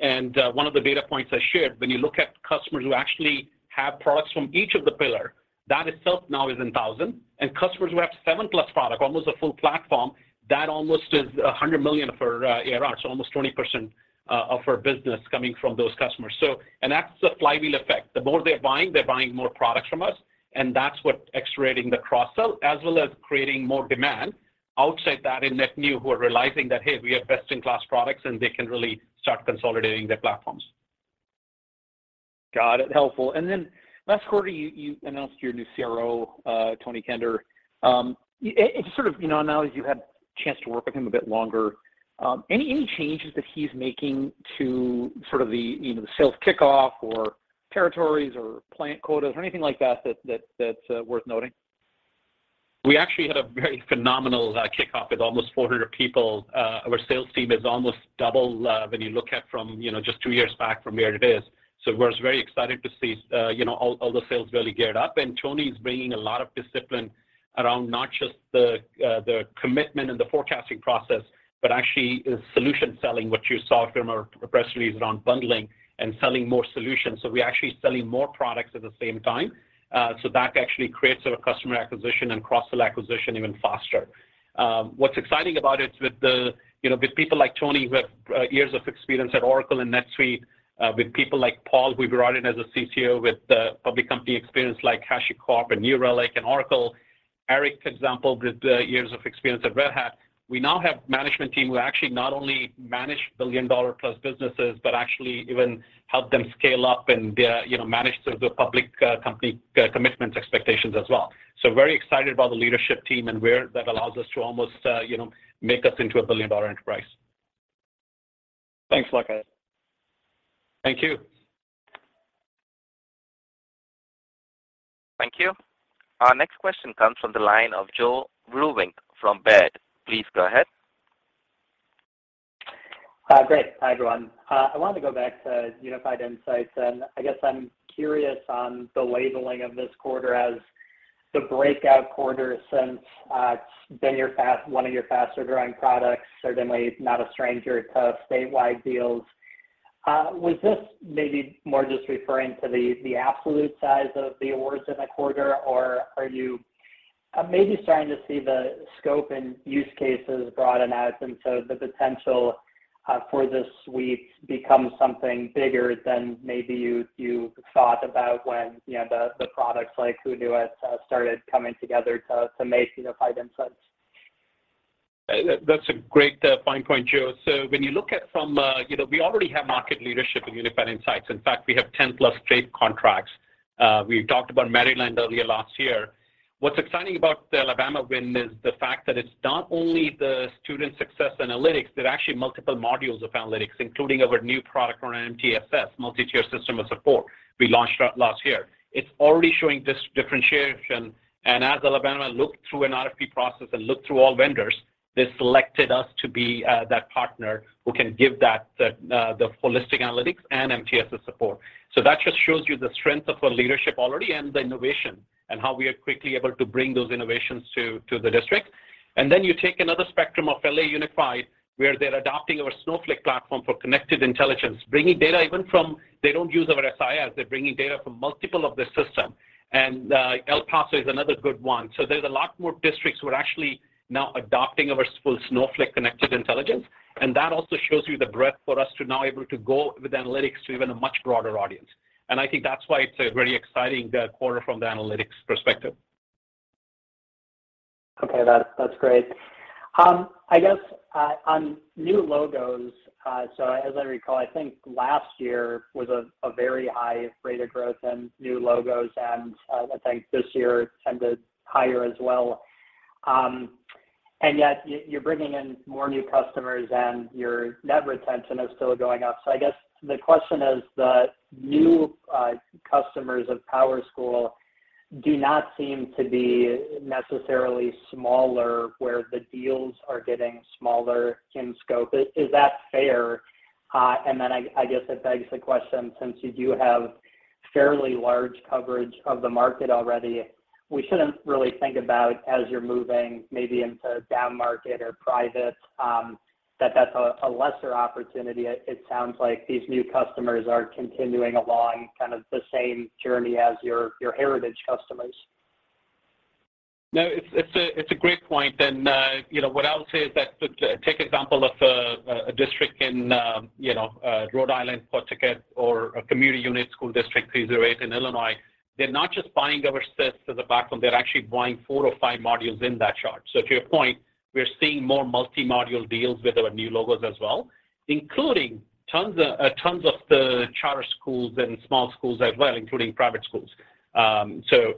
One of the data points I shared, when you look at customers who actually have products from each of the pillar, that itself now is in 1,000. Customers who have 7+ product, almost a full platform, that almost is a $100 million for ARR. Almost 20% of our business coming from those customers. That's the flywheel effect. The more they're buying, they're buying more products from us, and that's what's accelerating the cross-sell as well as creating more demand. Outside that in NetNew who are realizing that, hey, we have best-in-class products, and they can really start consolidating their platforms. Got it. Helpful. Last quarter, you announced your new CRO, Tony Kender. Just sort of, you know, now that you've had a chance to work with him a bit longer, any changes that he's making to sort of the, you know, the sales kickoff or territories or plant quotas or anything like that's worth noting? We actually had a very phenomenal kickoff with almost 400 people. Our sales team has almost doubled, when you look at from, you know, just two years back from where it is. We're very excited to see, you know, all the sales really geared up, and Tony's bringing a lot of discipline around not just the commitment and the forecasting process, but actually solution selling, which you saw from our press release around bundling and selling more solutions. We're actually selling more products at the same time, so that actually creates our customer acquisition and cross-sell acquisition even faster. What's exciting about it with the... You know, with people like Tony, who have years of experience at Oracle and NetSuite, with people like Paul who we brought in as a CTO with public company experience like HashiCorp and New Relic and Oracle. Eric, for example, with years of experience at Red Hat. We now have management team who actually not only manage billion-dollar-plus businesses but actually even helped them scale up and, you know, manage the public company commitments, expectations as well. Very excited about the leadership team and where that allows us to almost, you know, make us into a billion-dollar enterprise. Thanks, Hardeep. Thank you. Thank you. Our next question comes from the line of Joe Vruwink from Baird. Please go ahead. Hi. Great. Hi, everyone. I wanted to go back to Unified Insights, and I guess I'm curious on the labeling of this quarter as the breakout quarter since it's been one of your faster growing products, certainly not a stranger to statewide deals. Was this maybe more just referring to the absolute size of the awards in the quarter, or are you maybe starting to see the scope and use cases broaden out, and so the potential for this suite become something bigger than maybe you thought about when, you know, the products like Hoonuit started coming together to make Unified Insights? That's a great fine point, Joe. When you look at from, you know. We already have market leadership in Unified Insights. In fact, we have 10-plus state contracts. We talked about Maryland earlier last year. What's exciting about the Alabama win is the fact that it's not only the student success analytics, but actually multiple modules of analytics, including our new product around MTSS, multi-tier system of support we launched last year. It's already showing this differentiation. As Alabama looked through an RFP process and looked through all vendors, they selected us to be that partner who can give that, the holistic analytics and MTSS support. That just shows you the strength of our leadership already and the innovation and how we are quickly able to bring those innovations to the district. You take another spectrum of LA Unified, where they're adopting our Snowflake platform for Connected Intelligence, bringing data even from. They don't use our SIS. They're bringing data from multiple of their system. El Paso is another good one. There's a lot more districts who are actually now adopting our full Snowflake Connected Intelligence. That also shows you the breadth for us to now able to go with analytics to even a much broader audience. I think that's why it's a very exciting quarter from the analytics perspective. Okay. That's great. I guess on new logos, so as I recall, I think last year was a very high rate of growth in new logos, and I think this year it's tended higher as well. Yet you're bringing in more new customers, and your net retention is still going up. I guess the question is that new customers of PowerSchool do not seem to be necessarily smaller, where the deals are getting smaller in scope. Is that fair? Then I guess it begs the question, since you do have fairly large coverage of the market already, we shouldn't really think about as you're moving maybe into down market or private, that that's a lesser opportunity. It sounds like these new customers are continuing along kind of the same journey as your heritage customers. No, it's a great point, you know, what I'll say is that to take example of a district in, you know, Rhode Island, Pawtucket, or a Community Unit School District 308 in Illinois, they're not just buying our SIS as a backroom. They're actually buying 4 or 5 modules in that chart. To your point, we're seeing more multi-module deals with our new logos as well, including tons of the charter schools and small schools as well, including private schools.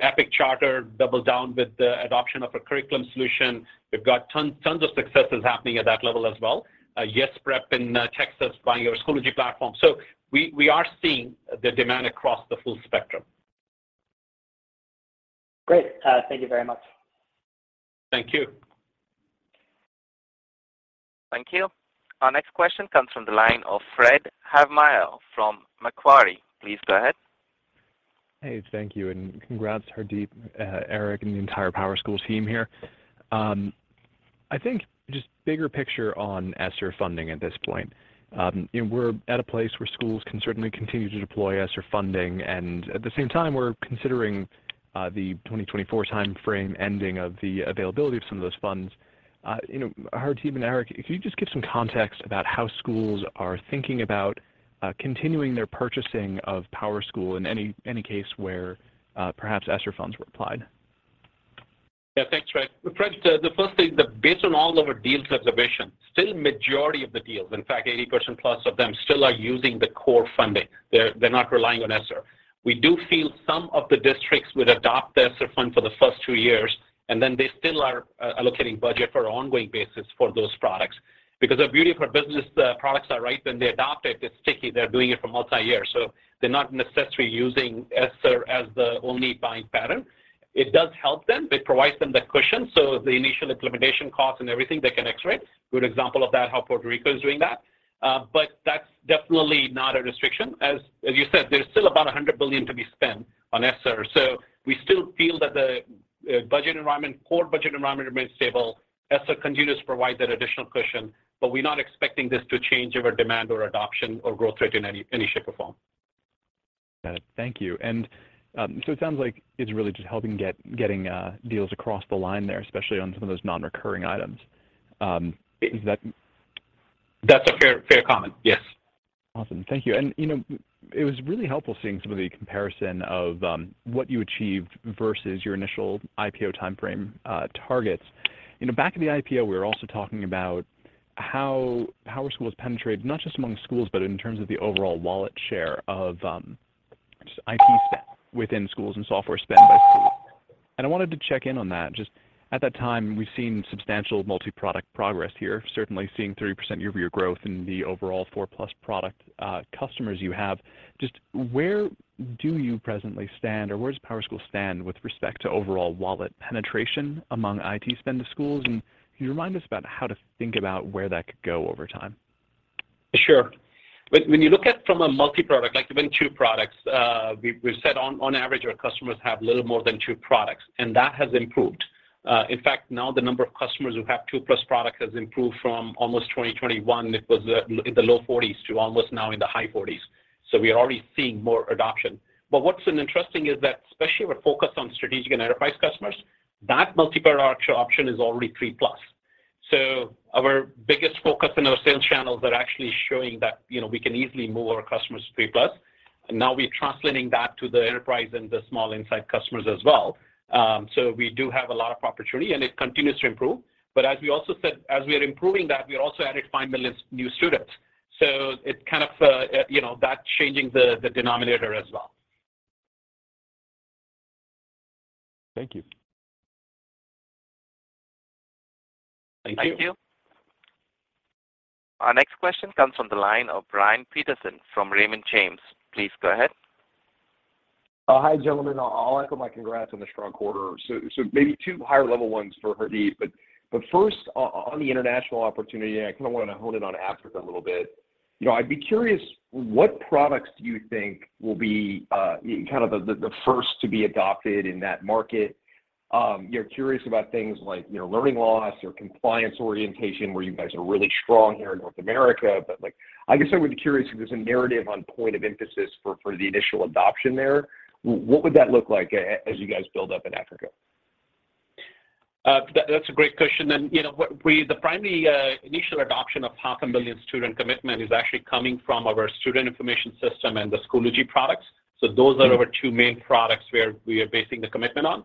Epic Charter doubled down with the adoption of a curriculum solution. We've got tons of successes happening at that level as well. YES Prep in Texas buying our Schoology platform. We are seeing the demand across the full spectrum. Great. Thank you very much. Thank you. Thank you. Our next question comes from the line of Fred Havemeyer from Macquarie. Please go ahead. Hey, thank you. Congrats, Hardeep, Eric, and the entire PowerSchool team here. I think just bigger picture on ESSER funding at this point. You know, we're at a place where schools can certainly continue to deploy ESSER funding, and at the same time, we're considering the 2024 timeframe ending of the availability of some of those funds. You know, Hardeep and Eric, could you just give some context about how schools are thinking about continuing their purchasing of PowerSchool in any case where perhaps ESSER funds were applied? Yeah, thanks, Fred. Fred, the first thing, based on all of our deals observation, still majority of the deals, in fact, 80% plus of them still are using the core funding. They're not relying on ESSER. We do feel some of the districts would adopt the ESSER fund for the first 2 years, they still are allocating budget for ongoing basis for those products. The beauty of our business, products are right when they adopt it's sticky. They're doing it for multiyear. They're not necessarily using ESSER as the only buying pattern. It does help them. It provides them the cushion, the initial implementation costs and everything, they can X-ray. Good example of that, how Puerto Rico is doing that. That's definitely not a restriction. As you said, there's still about $100 billion to be spent on ESSER. We still feel that the budget environment, core budget environment remains stable. ESSER continues to provide that additional cushion, we're not expecting this to change our demand or adoption or growth rate in any shape or form. Got it. Thank you. It sounds like it's really just helping getting deals across the line there, especially on some of those non-recurring items. Is that? That's a fair comment, yes. Awesome. Thank you. You know, it was really helpful seeing some of the comparison of what you achieved versus your initial IPO timeframe targets. You know, back at the IPO, we were also talking about how PowerSchool has penetrated, not just among schools, but in terms of the overall wallet share of just IT spend within schools and software spend by schools. I wanted to check in on that. Just at that time, we've seen substantial multi-product progress here, certainly seeing 3% year-over-year growth in the overall 4-plus product customers you have. Just where do you presently stand or where does PowerSchool stand with respect to overall wallet penetration among IT spend to schools? Can you remind us about how to think about where that could go over time? Sure. When you look at from a multi-product, like even 2 products, we've said on average our customers have little more than 2 products. That has improved. In fact, now the number of customers who have 2-plus product has improved from almost 2021, it was in the low 40s to almost now in the high 40s. We are already seeing more adoption. What's an interesting is that especially with focus on strategic and enterprise customers, that multi-product option is already 3-plus. Our biggest focus in our sales channels are actually showing that, you know, we can easily move our customers to 3-plus. We do have a lot of opportunity, and it continues to improve. As we also said, as we are improving that, we also added 5 million new students. It's kind of, you know, that changing the denominator as well. Thank you. Thank you. Thank you. Our next question comes from the line of Brian Peterson from Raymond James. Please go ahead. Hi, gentlemen. I'll echo my congrats on the strong quarter. Maybe two higher level ones for Hardeep, but first on the international opportunity, and I kinda wanted to hone in on Africa a little bit. You know, I'd be curious what products do you think will be kind of the first to be adopted in that market? You know, curious about things like, you know, learning loss or compliance orientation where you guys are really strong here in North America. Like, I guess I would be curious if there's a narrative on point of emphasis for the initial adoption there. What would that look like as you guys build up in Africa? That's a great question. You know, the primary initial adoption of half a million student commitment is actually coming from our Student Information System and the Schoology products. Those are our two main products we are basing the commitment on.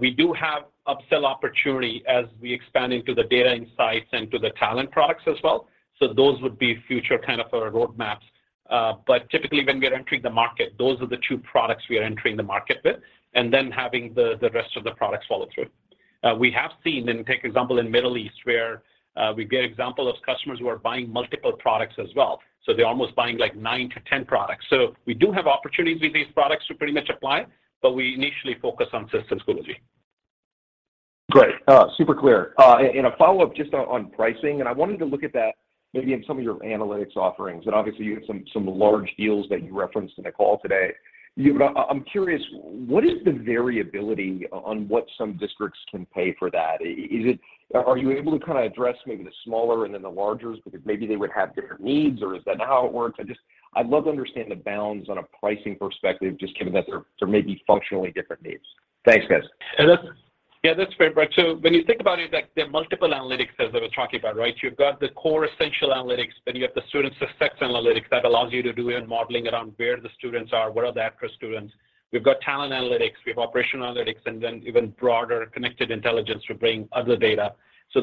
We do have upsell opportunity as we expand into the data insights and to the talent products as well. Those would be future kind of our roadmaps. But typically when we are entering the market, those are the two products we are entering the market with, and then having the rest of the products follow through. We have seen, and take example in Middle East, where we get example of customers who are buying multiple products as well. They're almost buying like 9-10 products. We do have opportunities with these products to pretty much apply, but we initially focus on systems Schoology. Great. Super clear. A follow-up just on pricing, I wanted to look at that maybe in some of your analytics offerings. Obviously, you have some large deals that you referenced in the call today. I'm curious, what is the variability on what some districts can pay for that? Are you able to kinda address maybe the smaller and then the largers because maybe they would have different needs, or is that not how it works? I'd love to understand the bounds on a pricing perspective just given that there may be functionally different needs. Thanks, guys. Yeah, that's fair, Brian. When you think about it, like there are multiple analytics as I was talking about, right? You've got the core essential analytics, then you have the student success analytics that allows you to do your modeling around where the students are, what are the at-risk students. We've got talent analytics, we have operational analytics, and then even broader Connected Intelligence to bring other data.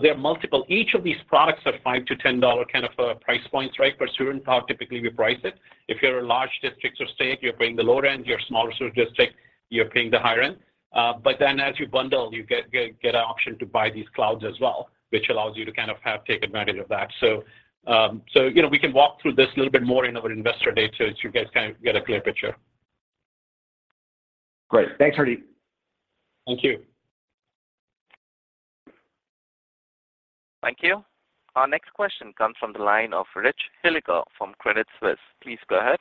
There are multiple. Each of these products are $5-$10 kind of price points, right? Per student count, typically we price it. If you're a large district or state, you're paying the lower end. You're a smaller sort of district, you're paying the higher end. As you bundle, you get an option to buy these clouds as well, which allows you to kind of have take advantage of that. You know, we can walk through this a little bit more in our investor day so you guys can get a clear picture. Great. Thanks, Hardeep. Thank you. Thank you. Our next question comes from the line of Rich Hilliker from Credit Suisse. Please go ahead.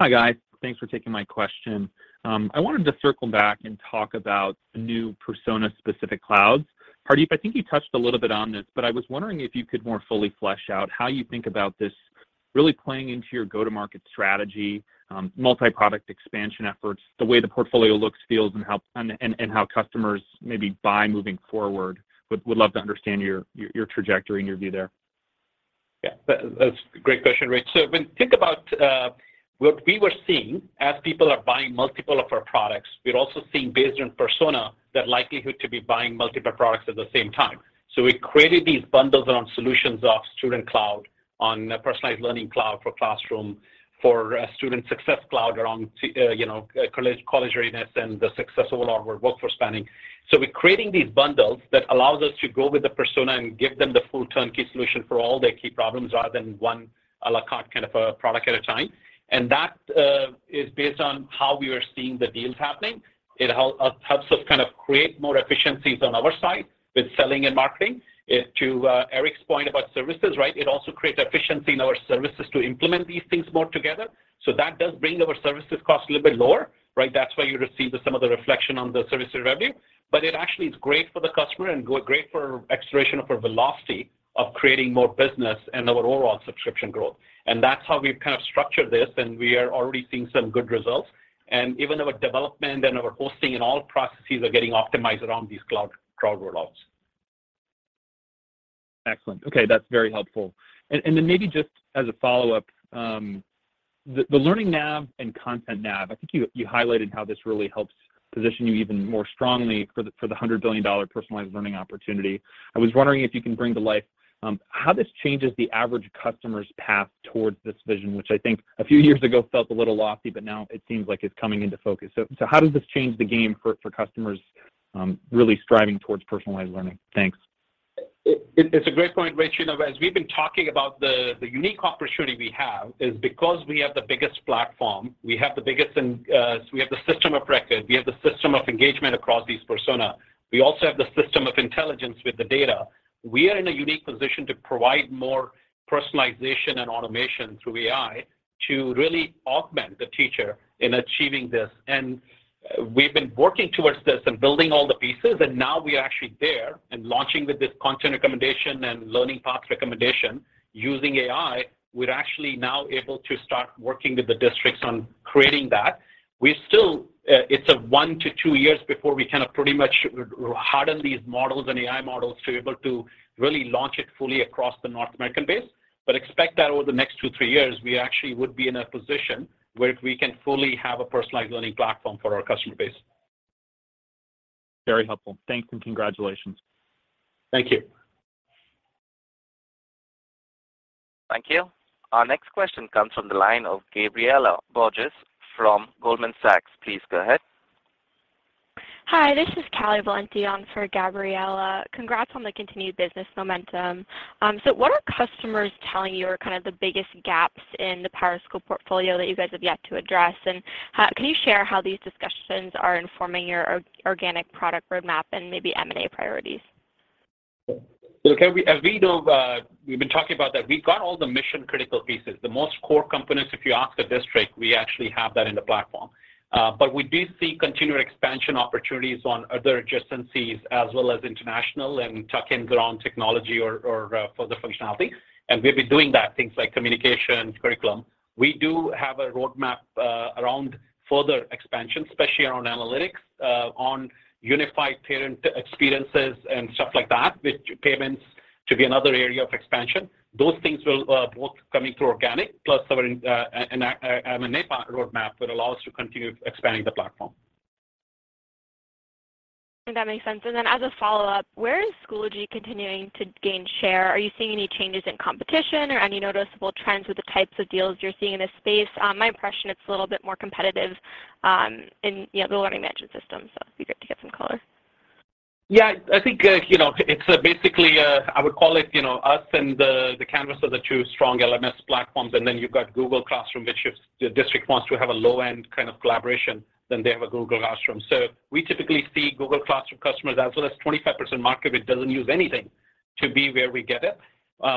Hi, guys. Thanks for taking my question. I wanted to circle back and talk about new persona specific clouds. Hardeep, I think you touched a little bit on this, but I was wondering if you could more fully flesh out how you think about this really playing into your go-to-market strategy, multi-product expansion efforts, the way the portfolio looks, feels, and how customers maybe buy moving forward. Would love to understand your trajectory and your view there. Yeah. That's a great question, Rich. Think about what we were seeing as people are buying multiple of our products, we're also seeing based on persona, that likelihood to be buying multiple products at the same time. We created these bundles around solutions of Student Cloud on a Personalized Learning Cloud for classroom, for a Student Success Cloud around to, you know, college readiness and the success of a lot of our workforce spanning. We're creating these bundles that allows us to go with the persona and give them the full turnkey solution for all their key problems rather than one, à la carte kind of a product at a time. That is based on how we are seeing the deals happening. It helps us kind of create more efficiencies on our side with selling and marketing. It. To Eric's point about services, right? It also creates efficiency in our services to implement these things more together. That does bring our services cost a little bit lower, right? That's why you receive some of the reflection on the service revenue. It actually is great for the customer and great for acceleration of our velocity of creating more business and our overall subscription growth. That's how we've kind of structured this, and we are already seeing some good results. Even our development and our hosting and all processes are getting optimized around these cloud rollouts. Excellent. Okay. That's very helpful. Then maybe just as a follow-up, the LearningNav and ContentNav, I think you highlighted how this really helps position you even more strongly for the $100 billion personalized learning opportunity. I was wondering if you can bring to life, how this changes the average customer's path towards this vision, which I think a few years ago felt a little lofty, but now it seems like it's coming into focus. How does this change the game for customers, really striving towards personalized learning? Thanks. It's a great point, Rich. You know, as we've been talking about the unique opportunity we have is because we have the biggest platform, we have the biggest and, we have the system of record, we have the system of engagement across these persona. We also have the system of intelligence with the data. We are in a unique position to provide more personalization and automation through AI to really augment the teacher in achieving this. We've been working towards this and building all the pieces, and now we are actually there and launching with this content recommendation and learning paths recommendation using AI. We're actually now able to start working with the districts on creating that. We still, it's a one to two years before we kind of pretty much harden these models and AI models to be able to really launch it fully across the North American base. Expect that over the next two, three years, we actually would be in a position where we can fully have a personalized learning platform for our customer base. Very helpful. Thanks and congratulations. Thank you. Thank you. Our next question comes from the line of Gabriela Borges from Goldman Sachs. Please go ahead. Hi, this is Callie Valenti on for Gabriela. Congrats on the continued business momentum. What are customers telling you are kind of the biggest gaps in the PowerSchool portfolio that you guys have yet to address? Can you share how these discussions are informing your organic product roadmap and maybe M&A priorities? Look, as we know, we've been talking about that we've got all the mission-critical pieces. The most core components, if you ask a district, we actually have that in the platform. We do see continued expansion opportunities on other adjacencies as well as international and tuck-ins around technology or further functionality. We've been doing that, things like communication, curriculum. We do have a roadmap around further expansion, especially around analytics, on unified parent experiences and stuff like that, with payments to be another area of expansion. Those things will both coming through organic plus our in an M&A roadmap would allow us to continue expanding the platform. That makes sense. As a follow-up, where is Schoology continuing to gain share? Are you seeing any changes in competition or any noticeable trends with the types of deals you're seeing in this space? My impression, it's a little bit more competitive, in, yeah, the learning management system, so it'd be great to get some color. Yeah, I think, you know, it's basically I would call it, you know, us and the Canvas are the two strong LMS platforms, and then you've got Google Classroom, which if the district wants to have a low-end kind of collaboration, then they have a Google Classroom. We typically see Google Classroom customers. That's 25% market that doesn't use anything to be where we get it.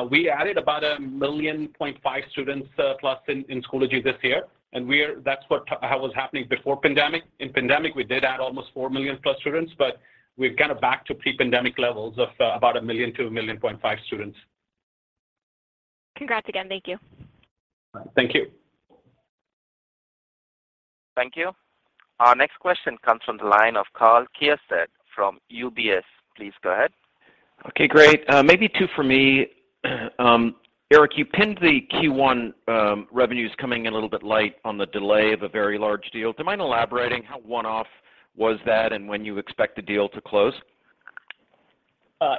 We added about 1.5 million students plus in Schoology this year, and we are That's what was happening before pandemic. In pandemic, we did add almost 4 million+ students, but we're kind of back to pre-pandemic levels of about 1 million to 1.5 million students. Congrats again. Thank you. Thank you. Thank you. Our next question comes from the line of Karl Keirstad from UBS. Please go ahead. Okay, great. Maybe 2 for me. Eric, you pinned the Q1 revenues coming in a little bit light on the delay of a very large deal. Do you mind elaborating how one-off was that and when you expect the deal to close?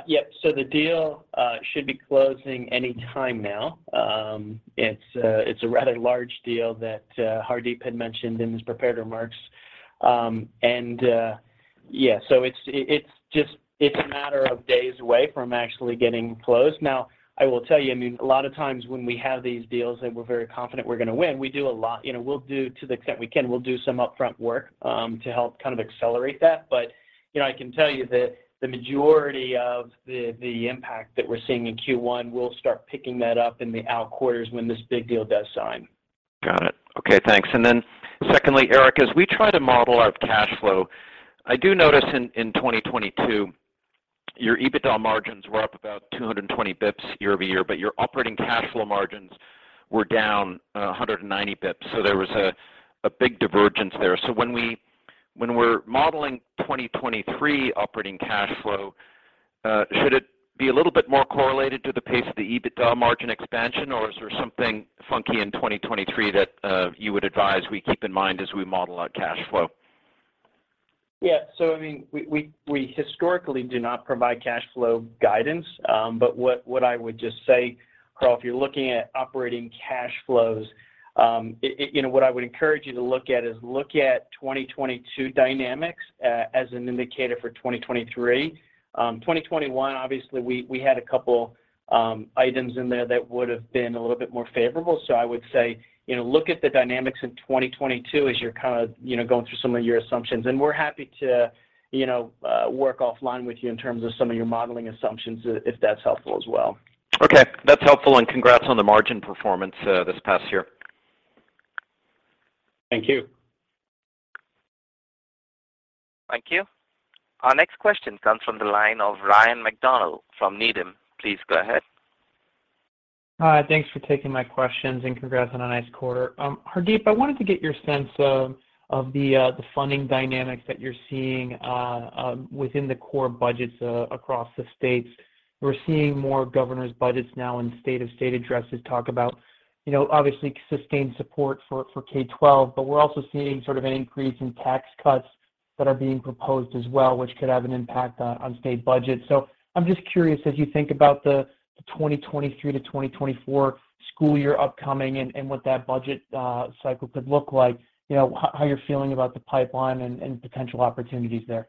Yep. The deal should be closing any time now. It's a rather large deal that Hardeep had mentioned in his prepared remarks. Yeah. It's just a matter of days away from actually getting closed. I will tell you, I mean, a lot of times when we have these deals that we're very confident we're gonna win, we do a lot. You know, we'll do, to the extent we can, we'll do some upfront work to help kind of accelerate that. You know, I can tell you that the majority of the impact that we're seeing in Q1, we'll start picking that up in the out quarters when this big deal does sign. Got it. Okay, thanks. Secondly, Eric, as we try to model out cash flow, I do notice in 2022, your EBITDA margins were up about 220 bips year-over-year, but your operating cash flow margins were down 190 bips. There was a big divergence there. When we're modeling 2023 operating cash flow, should it be a little bit more correlated to the pace of the EBITDA margin expansion or is there something funky in 2023 that you would advise we keep in mind as we model our cash flow? Yeah. I mean, we, we historically do not provide cash flow guidance. What, what I would just say, Karl, if you're looking at operating cash flows, you know, what I would encourage you to look at is look at 2022 dynamics, as an indicator for 2023. 2021, obviously we had a couple, items in there that would have been a little bit more favorable. I would say, you know, look at the dynamics in 2022 as you're kinda, you know, going through some of your assumptions. We're happy to, you know, work offline with you in terms of some of your modeling assumptions, if that's helpful as well. Okay. That's helpful, and congrats on the margin performance, this past year. Thank you. Thank you. Our next question comes from the line of Ryan McDonald from Needham. Please go ahead. Hi. Thanks for taking my questions, congrats on a nice quarter. Hardeep, I wanted to get your sense of the funding dynamics that you're seeing within the core budgets across the states. We're seeing more governors budgets now and state of state addresses talk about, you know, obviously sustained support for K-12, we're also seeing sort of an increase in tax cuts that are being proposed as well, which could have an impact on state budgets. I'm just curious as you think about the 2023 to 2024 school year upcoming and what that budget cycle could look like, you know, how you're feeling about the pipeline and potential opportunities there.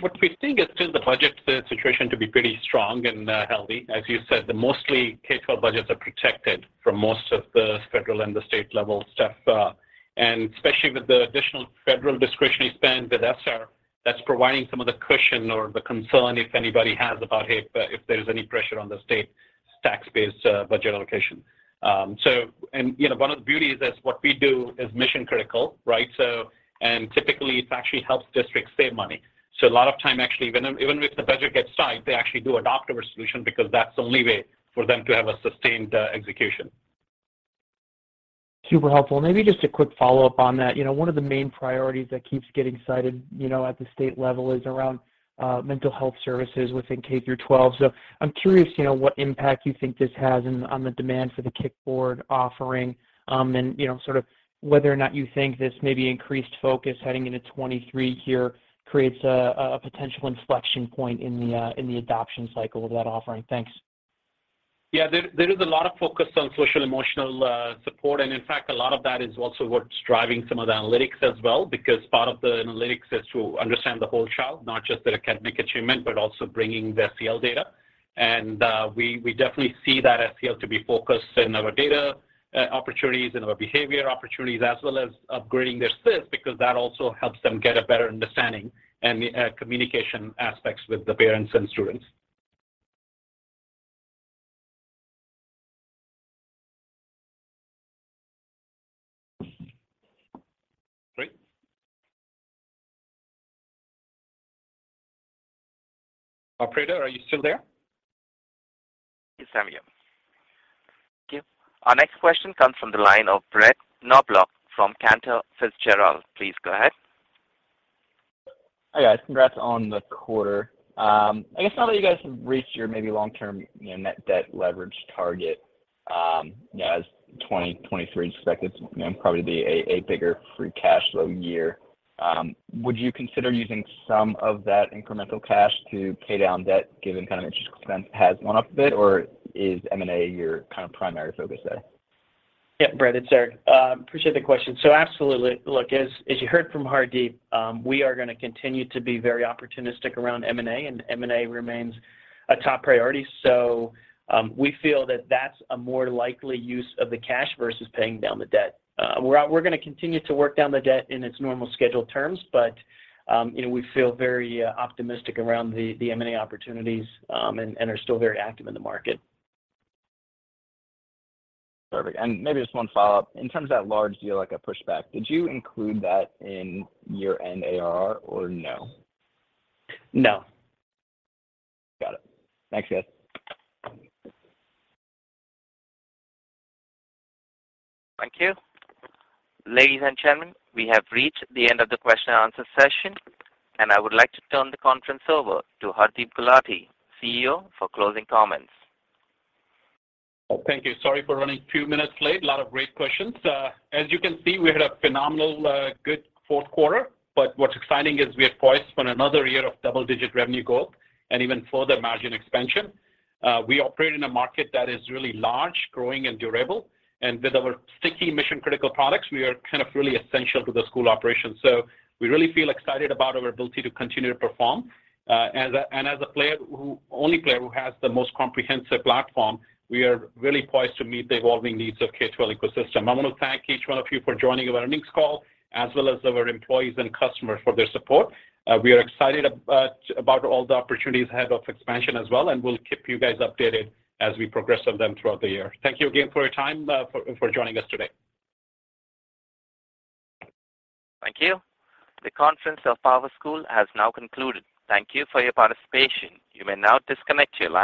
What we think is still the budget situation to be pretty strong and healthy. As you said, the mostly K-12 budgets are protected from most of the federal and the state level stuff. Especially with the additional federal discretionary spend with ESSER that's providing some of the cushion or the concern if anybody has about, hey, if there's any pressure on the state tax-based budget allocation. And, you know, one of the beauties is what we do is mission-critical, right? Typically it actually helps districts save money. A lot of time actually, even if the budget gets tight, they actually do adopt our solution because that's the only way for them to have a sustained execution. Super helpful. Maybe just a quick follow-up on that. You know, one of the main priorities that keeps getting cited, you know, at the state level is around mental health services within K-12. I'm curious, you know, what impact you think this has on the demand for the Kickboard offering, and, you know, sort of whether or not you think this maybe increased focus heading into 2023 here creates a potential inflection point in the adoption cycle of that offering. Thanks. Yeah. There is a lot of focus on social emotional support. In fact, a lot of that is also what's driving some of the analytics as well, because part of the analytics is to understand the whole child, not just their academic achievement, but also bringing their SEL data. We definitely see that SEL to be focused in our data opportunities and our behavior opportunities as well as upgrading their SIS because that also helps them get a better understanding and the communication aspects with the parents and students. Great. Operator, are you still there? Yes, I'm here. Thank you. Our next question comes from the line of Brett Knoblauch from Cantor Fitzgerald. Please go ahead. Hi, guys. Congrats on the quarter. I guess now that you guys have reached your maybe long-term, you know, net debt leverage target, you know, as 2023 is expected to, you know, probably be a bigger free cash flow year, would you consider using some of that incremental cash to pay down debt given kind of interest expense has went up a bit or is M&A your kind of primary focus there? Brett, it's Eric. Appreciate the question. Absolutely. Look, as you heard from Hardeep, we are gonna continue to be very opportunistic around M&A, M&A remains a top priority. We feel that that's a more likely use of the cash versus paying down the debt. We're gonna continue to work down the debt in its normal scheduled terms, we feel very, you know, optimistic around the M&A opportunities, and are still very active in the market. Perfect. Maybe just one follow-up. In terms of that large deal, like a pushback, did you include that in your NRR or no? No. Got it. Thanks, guys. Thank you. Ladies and gentlemen, we have reached the end of the question and answer session, and I would like to turn the conference over to Hardeep Gulati, CEO, for closing comments. Thank you. Sorry for running two minutes late. A lot of great questions. As you can see, we had a phenomenal good fourth quarter. What's exciting is we are poised for another year of double-digit revenue growth and even further margin expansion. We operate in a market that is really large, growing, and durable. With our sticky mission-critical products, we are kind of really essential to the school operations. We really feel excited about our ability to continue to perform. As the only player who has the most comprehensive platform, we are really poised to meet the evolving needs of K-12 ecosystem. I wanna thank each one of you for joining our earnings call, as well as our employees and customers for their support. We are excited about all the opportunities ahead of expansion as well, and we'll keep you guys updated as we progress on them throughout the year. Thank you again for your time for joining us today. Thank you. The conference of PowerSchool has now concluded. Thank you for your participation. You may now disconnect your line.